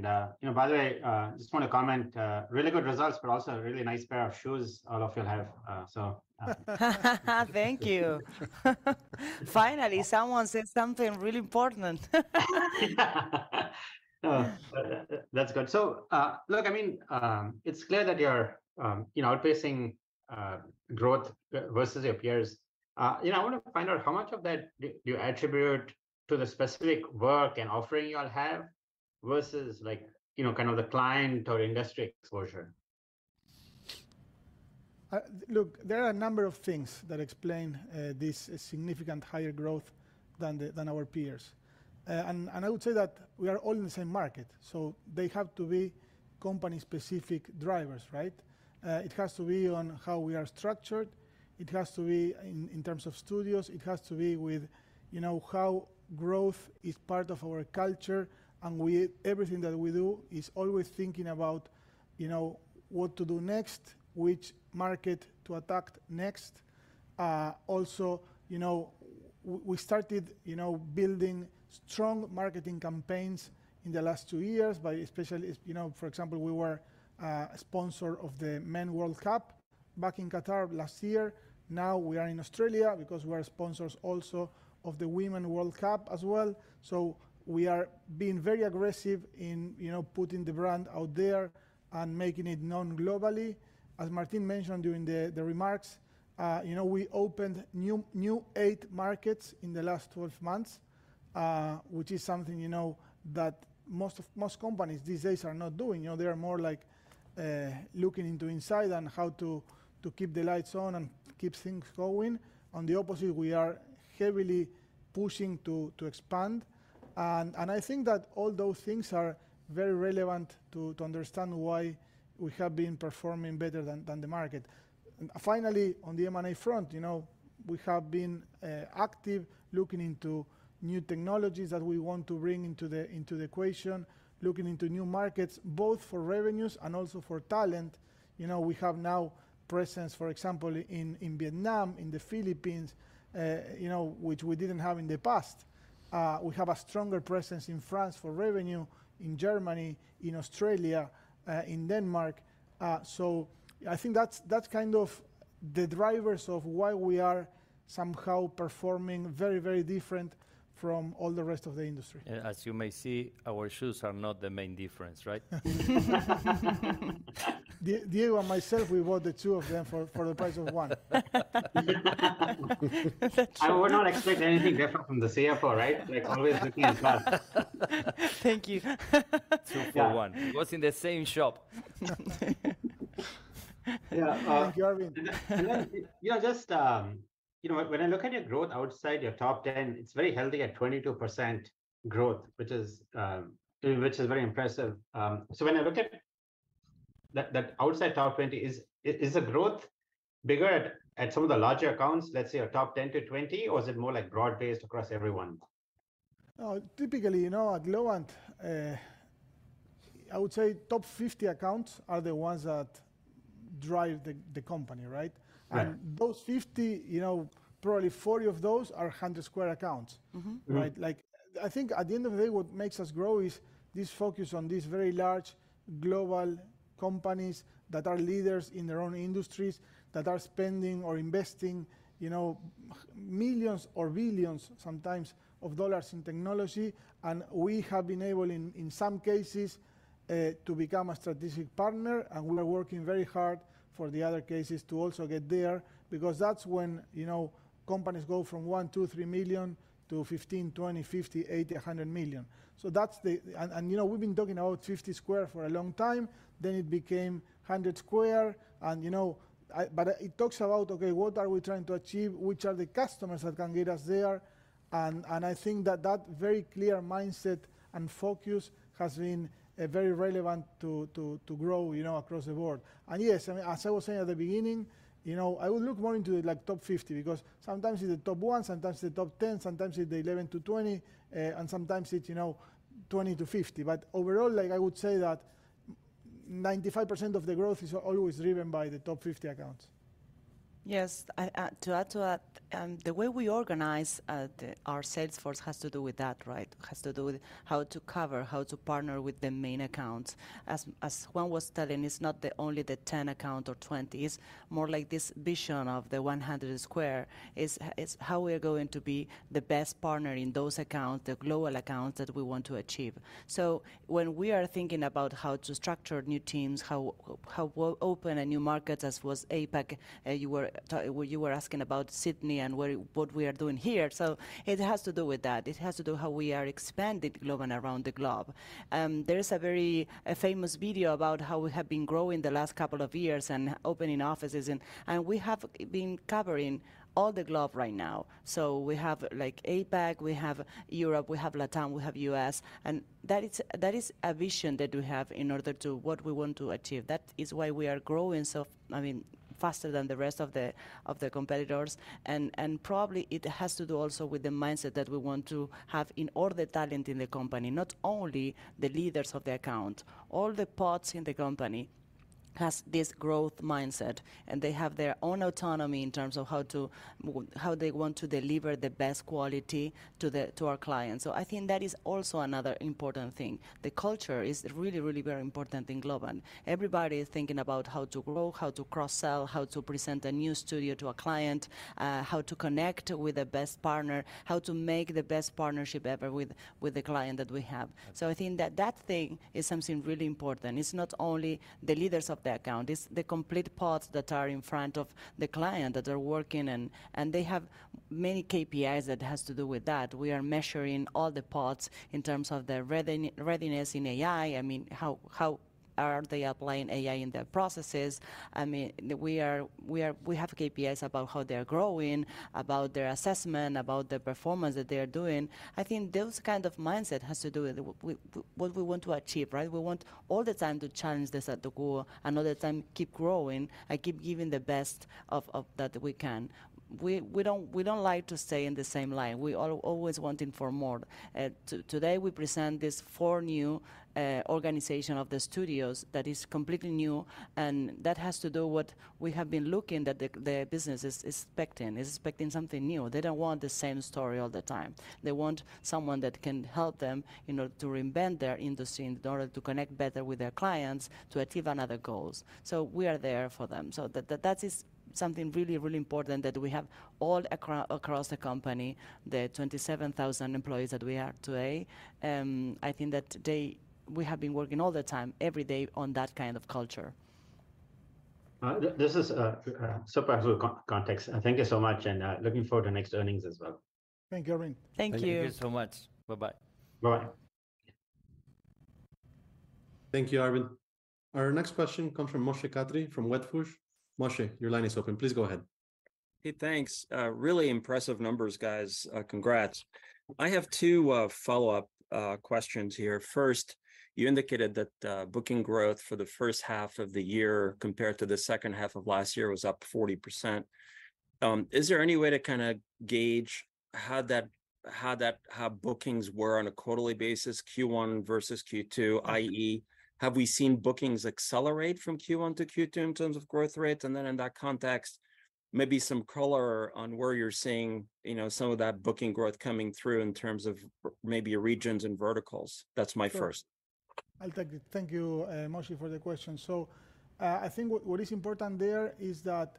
know, by the way, I just want to comment, really good results, but also a really nice pair of shoes all of you have. Thank you. Finally, someone said something really important. That's good. Look, I mean, it's clear that you're, you know, outpacing growth versus your peers. You know, I want to find out how much of that you attribute to the specific work and offering y'all have, versus like, you know, kind of the client or industry exposure? Look, there are a number of things that explain this significant higher growth than the, than our peers. I would say that we are all in the same market, so they have to be company-specific drivers, right? It has to be on how we are structured, it has to be in, in terms of studios, it has to be with, you know, how growth is part of our culture, and we-- everything that we do is always thinking about, you know, what to do next, which market to attack next. Also, you know, we started, you know, building strong marketing campaigns in the last two years, but especially, you know, for example, we were a sponsor of the Men World Cup back in Qatar last year. Now, we are in Australia because we are sponsors also of the Women's World Cup as well. We are being very aggressive in, you know, putting the brand out there and making it known globally. As Martín mentioned during the, the remarks, you know, we opened new, new eight markets in the last 12 months, which is something, you know, that most companies these days are not doing. You know, they are more like, looking into inside and how to, to keep the lights on and keep things going. On the opposite, we are heavily pushing to, to expand. I think that all those things are very relevant to, to understand why we have been performing better than, than the market. Finally, on the M&A front, you know, we have been active, looking into new technologies that we want to bring into the, into the equation, looking into new markets, both for revenues and also for talent. You know, we have now presence, for example, in, in Vietnam, in the Philippines, you know, which we didn't have in the past. We have a stronger presence in France for revenue, in Germany, in Australia, in Denmark. I think that's, that's kind of the drivers of why we are somehow performing very, very different from all the rest of the industry. As you may see, our shoes are not the main difference, right? Diego and myself, we bought the two of them for, for the price of one. I would not expect anything different from the CFO, right? Like, always looking at price. Thank you. Two for one. It was in the same shop. Yeah. Arvind. Yeah, just, you know, when I look at your growth outside your top 10, it's very healthy at 22% growth, which is very impressive. When I look at that, that outside top 20, is, is the growth bigger at, at some of the larger accounts, let's say, your top 10-20, or is it more like broad-based across everyone? Typically, you know, at Globant, I would say top 50 accounts are the ones that drive the, the company, right? Right. Those 50, you know, probably 40 of those are 100 square accounts. Mm-hmm. Mm-hmm. Right? Like, I think at the end of the day, what makes us grow is this focus on these very large global companies that are leaders in their own industries, that are spending or investing, you know, millions or billions, sometimes, of dollars in technology. We have been able, in, in some cases, to become a strategic partner, and we are working very hard for the other cases to also get there, because that's when, you know, companies go from $1 million-$3 million to $15 million, $20 million, $50 million, $80 million, $100 million. That's the. You know, we've been talking about 50 squared for a long time, then it became 100 Squared, and you know, it talks about, okay, what are we trying to achieve? Which are the customers that can get us there? I think that that very clear mindset and focus has been very relevant to grow, you know, across the board. Yes, I mean, as I was saying at the beginning, you know, I would look more into the, like, top 50, because sometimes it's the top one, sometimes the top 10, sometimes it's the 11-20, and sometimes it's, you know, 20-50. Overall, like, I would say that 95% of the growth is always driven by the top 50 accounts. Yes, I, to add to that, the way we organize the, our sales force has to do with that, right? Has to do with how to cover, how to partner with the main accounts. As, as Juan was telling, it's not the only the 10 account or 20, it's more like this vision of the 100 Squared. It's, it's how we are going to be the best partner in those accounts, the global accounts that we want to achieve. When we are thinking about how to structure new teams, how, how we'll open a new market, as was APAC, you were asking about Sydney and where, what we are doing here. It has to do with that. It has to do how we are expanding Globant around the globe. There is a very, a famous video about how we have been growing the last couple of years and opening offices, and we have been covering all the globe right now. We have, like, APAC, we have Europe, we have LATAM, we have U.S. That is, that is a vision that we have in order to what we want to achieve. That is why we are growing so, I mean, faster than the rest of the, of the competitors. Probably it has to do also with the mindset that we want to have in all the talent in the company, not only the leaders of the account. All the parts in the company has this growth mindset, and they have their own autonomy in terms of how they want to deliver the best quality to the, to our clients. I think that is also another important thing. The culture is really, really very important in Globant. Everybody is thinking about how to grow, how to cross-sell, how to present a new studio to a client, how to connect with the best partner, how to make the best partnership ever with, with the client that we have. I think that that thing is something really important. It's not only the leaders of the account, it's the complete parts that are in front of the client, that are working, and, and they have many KPIs that has to do with that. We are measuring all the parts in terms of their readiness in AI. I mean, how, how are they applying AI in their processes? I mean, we are, we have KPIs about how they are growing, about their assessment, about the performance that they are doing. I think those kind of mindset has to do with what we want to achieve, right? We want all the time to challenge the set goal, another time, keep growing and keep giving the best of that we can. We, we don't, we don't like to stay in the same line. We are always wanting for more. Today, we present this four new organization of the studios that is completely new, and that has to do what we have been looking that the business is expecting. It's expecting something new. They don't want the same story all the time. They want someone that can help them, you know, to reinvent their industry in order to connect better with their clients, to achieve another goals. We are there for them. That is something really, really important that we have all across the company, the 27,000 employees that we are today. I think that today, we have been working all the time, every day, on that kind of culture. This is super actual context. Thank you so much, and looking forward to next earnings as well. Thank you, Arvind. Thank you. Thank you so much. Bye-bye. Bye. Thank you, Arvind. Our next question comes from Moshe Katri from Wedbush. Moshe, your line is open. Please go ahead. Hey, thanks. Really impressive numbers, guys. Congrats. I have two follow-up questions here. First, you indicated that booking growth for the first half of the year compared to the second half of last year was up 40%. Is there any way to kind of gauge how bookings were on a quarterly basis, Q1 versus Q2, i.e., have we seen bookings accelerate from Q1 to Q2 in terms of growth rates? Then in that context, maybe some color on where you're seeing, you know, some of that booking growth coming through in terms of maybe regions and verticals. That's my first. I'll take it. Thank you, Moshe, for the question. I think what, what is important there is that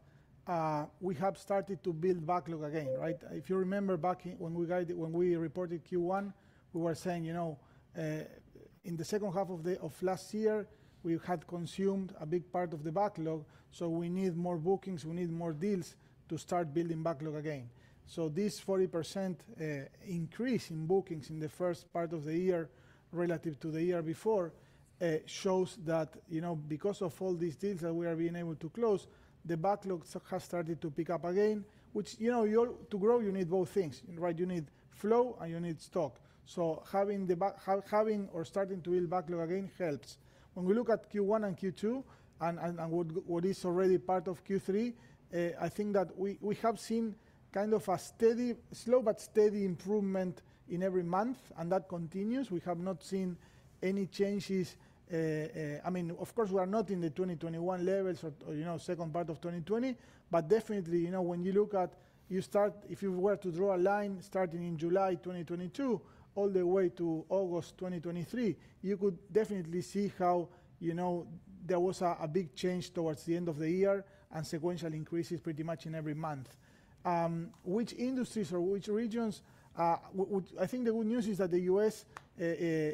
we have started to build backlog again, right? If you remember back when we guided, when we reported Q1, we were saying, you know, in the second half of the, of last year, we had consumed a big part of the backlog, so we need more bookings, we need more deals to start building backlog again. This 40% increase in bookings in the first part of the year relative to the year before, shows that, you know, because of all these deals that we have been able to close, the backlog has started to pick up again, which, you know, you're to grow, you need both things, right? You need flow, and you need stock. Having or starting to build backlog again helps. When we look at Q1 and Q2, and what is already part of Q3, I think that we, we have seen kind of a steady, slow but steady improvement in every month, and that continues. We have not seen any changes. I mean, of course, we are not in the 2021 levels or, you know, second part of 2020, but definitely, you know, when you look at. If you were to draw a line starting in July 2022, all the way to August 2023, you could definitely see how, you know, there was a, a big change towards the end of the year and sequential increases pretty much in every month. Which industries or which regions? I think the good news is that the U.S.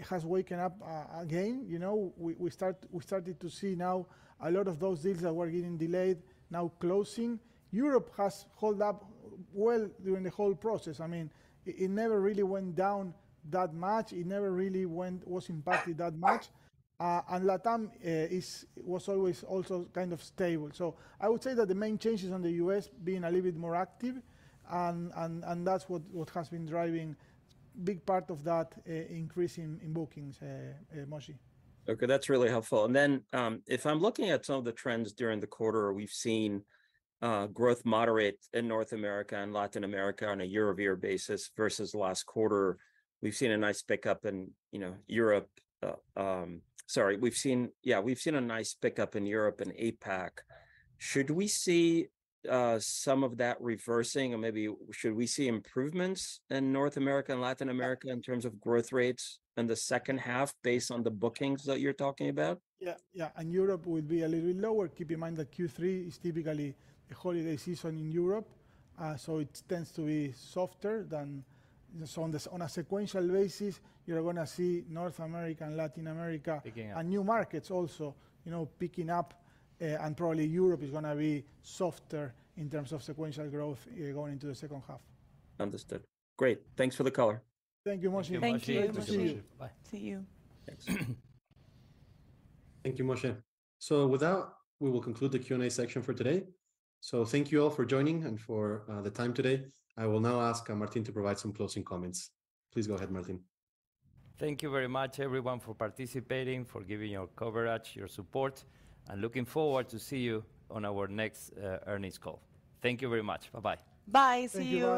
has waken up again, you know. We started to see now a lot of those deals that were getting delayed now closing. Europe has held up well during the whole process. I mean, it never really went down that much. It never really was impacted that much. And LATAM was always also kind of stable. I would say that the main changes on the U.S. being a little bit more active, and that's what has been driving big part of that increase in bookings, Moshe. Okay. That's really helpful. If I'm looking at some of the trends during the quarter, we've seen growth moderate in North America and Latin America on a year-over-year basis versus last quarter. We've seen a nice pickup in Europe and APAC. Should we see some of that reversing or maybe should we see improvements in North America and Latin America in terms of growth rates in the second half based on the bookings that you're talking about? Yeah, yeah, Europe will be a little bit lower. Keep in mind that Q3 is typically a holiday season in Europe, so it tends to be softer than, on the, on a sequential basis, you're gonna see North America and Latin America- Picking up. New markets also, you know, picking up, and probably Europe is gonna be softer in terms of sequential growth, going into the second half. Understood. Great. Thanks for the color. Thank you, Moshe. Thank you, Moshe. Bye. See you. Thanks. Thank you, Moshe. With that, we will conclude the Q&A section for today. Thank you all for joining and for the time today. I will now ask Martín to provide some closing comments. Please go ahead, Martín. Thank you very much, everyone, for participating, for giving your coverage, your support, and looking forward to see you on our next earnings call. Thank you very much. Bye-bye. Bye. See you!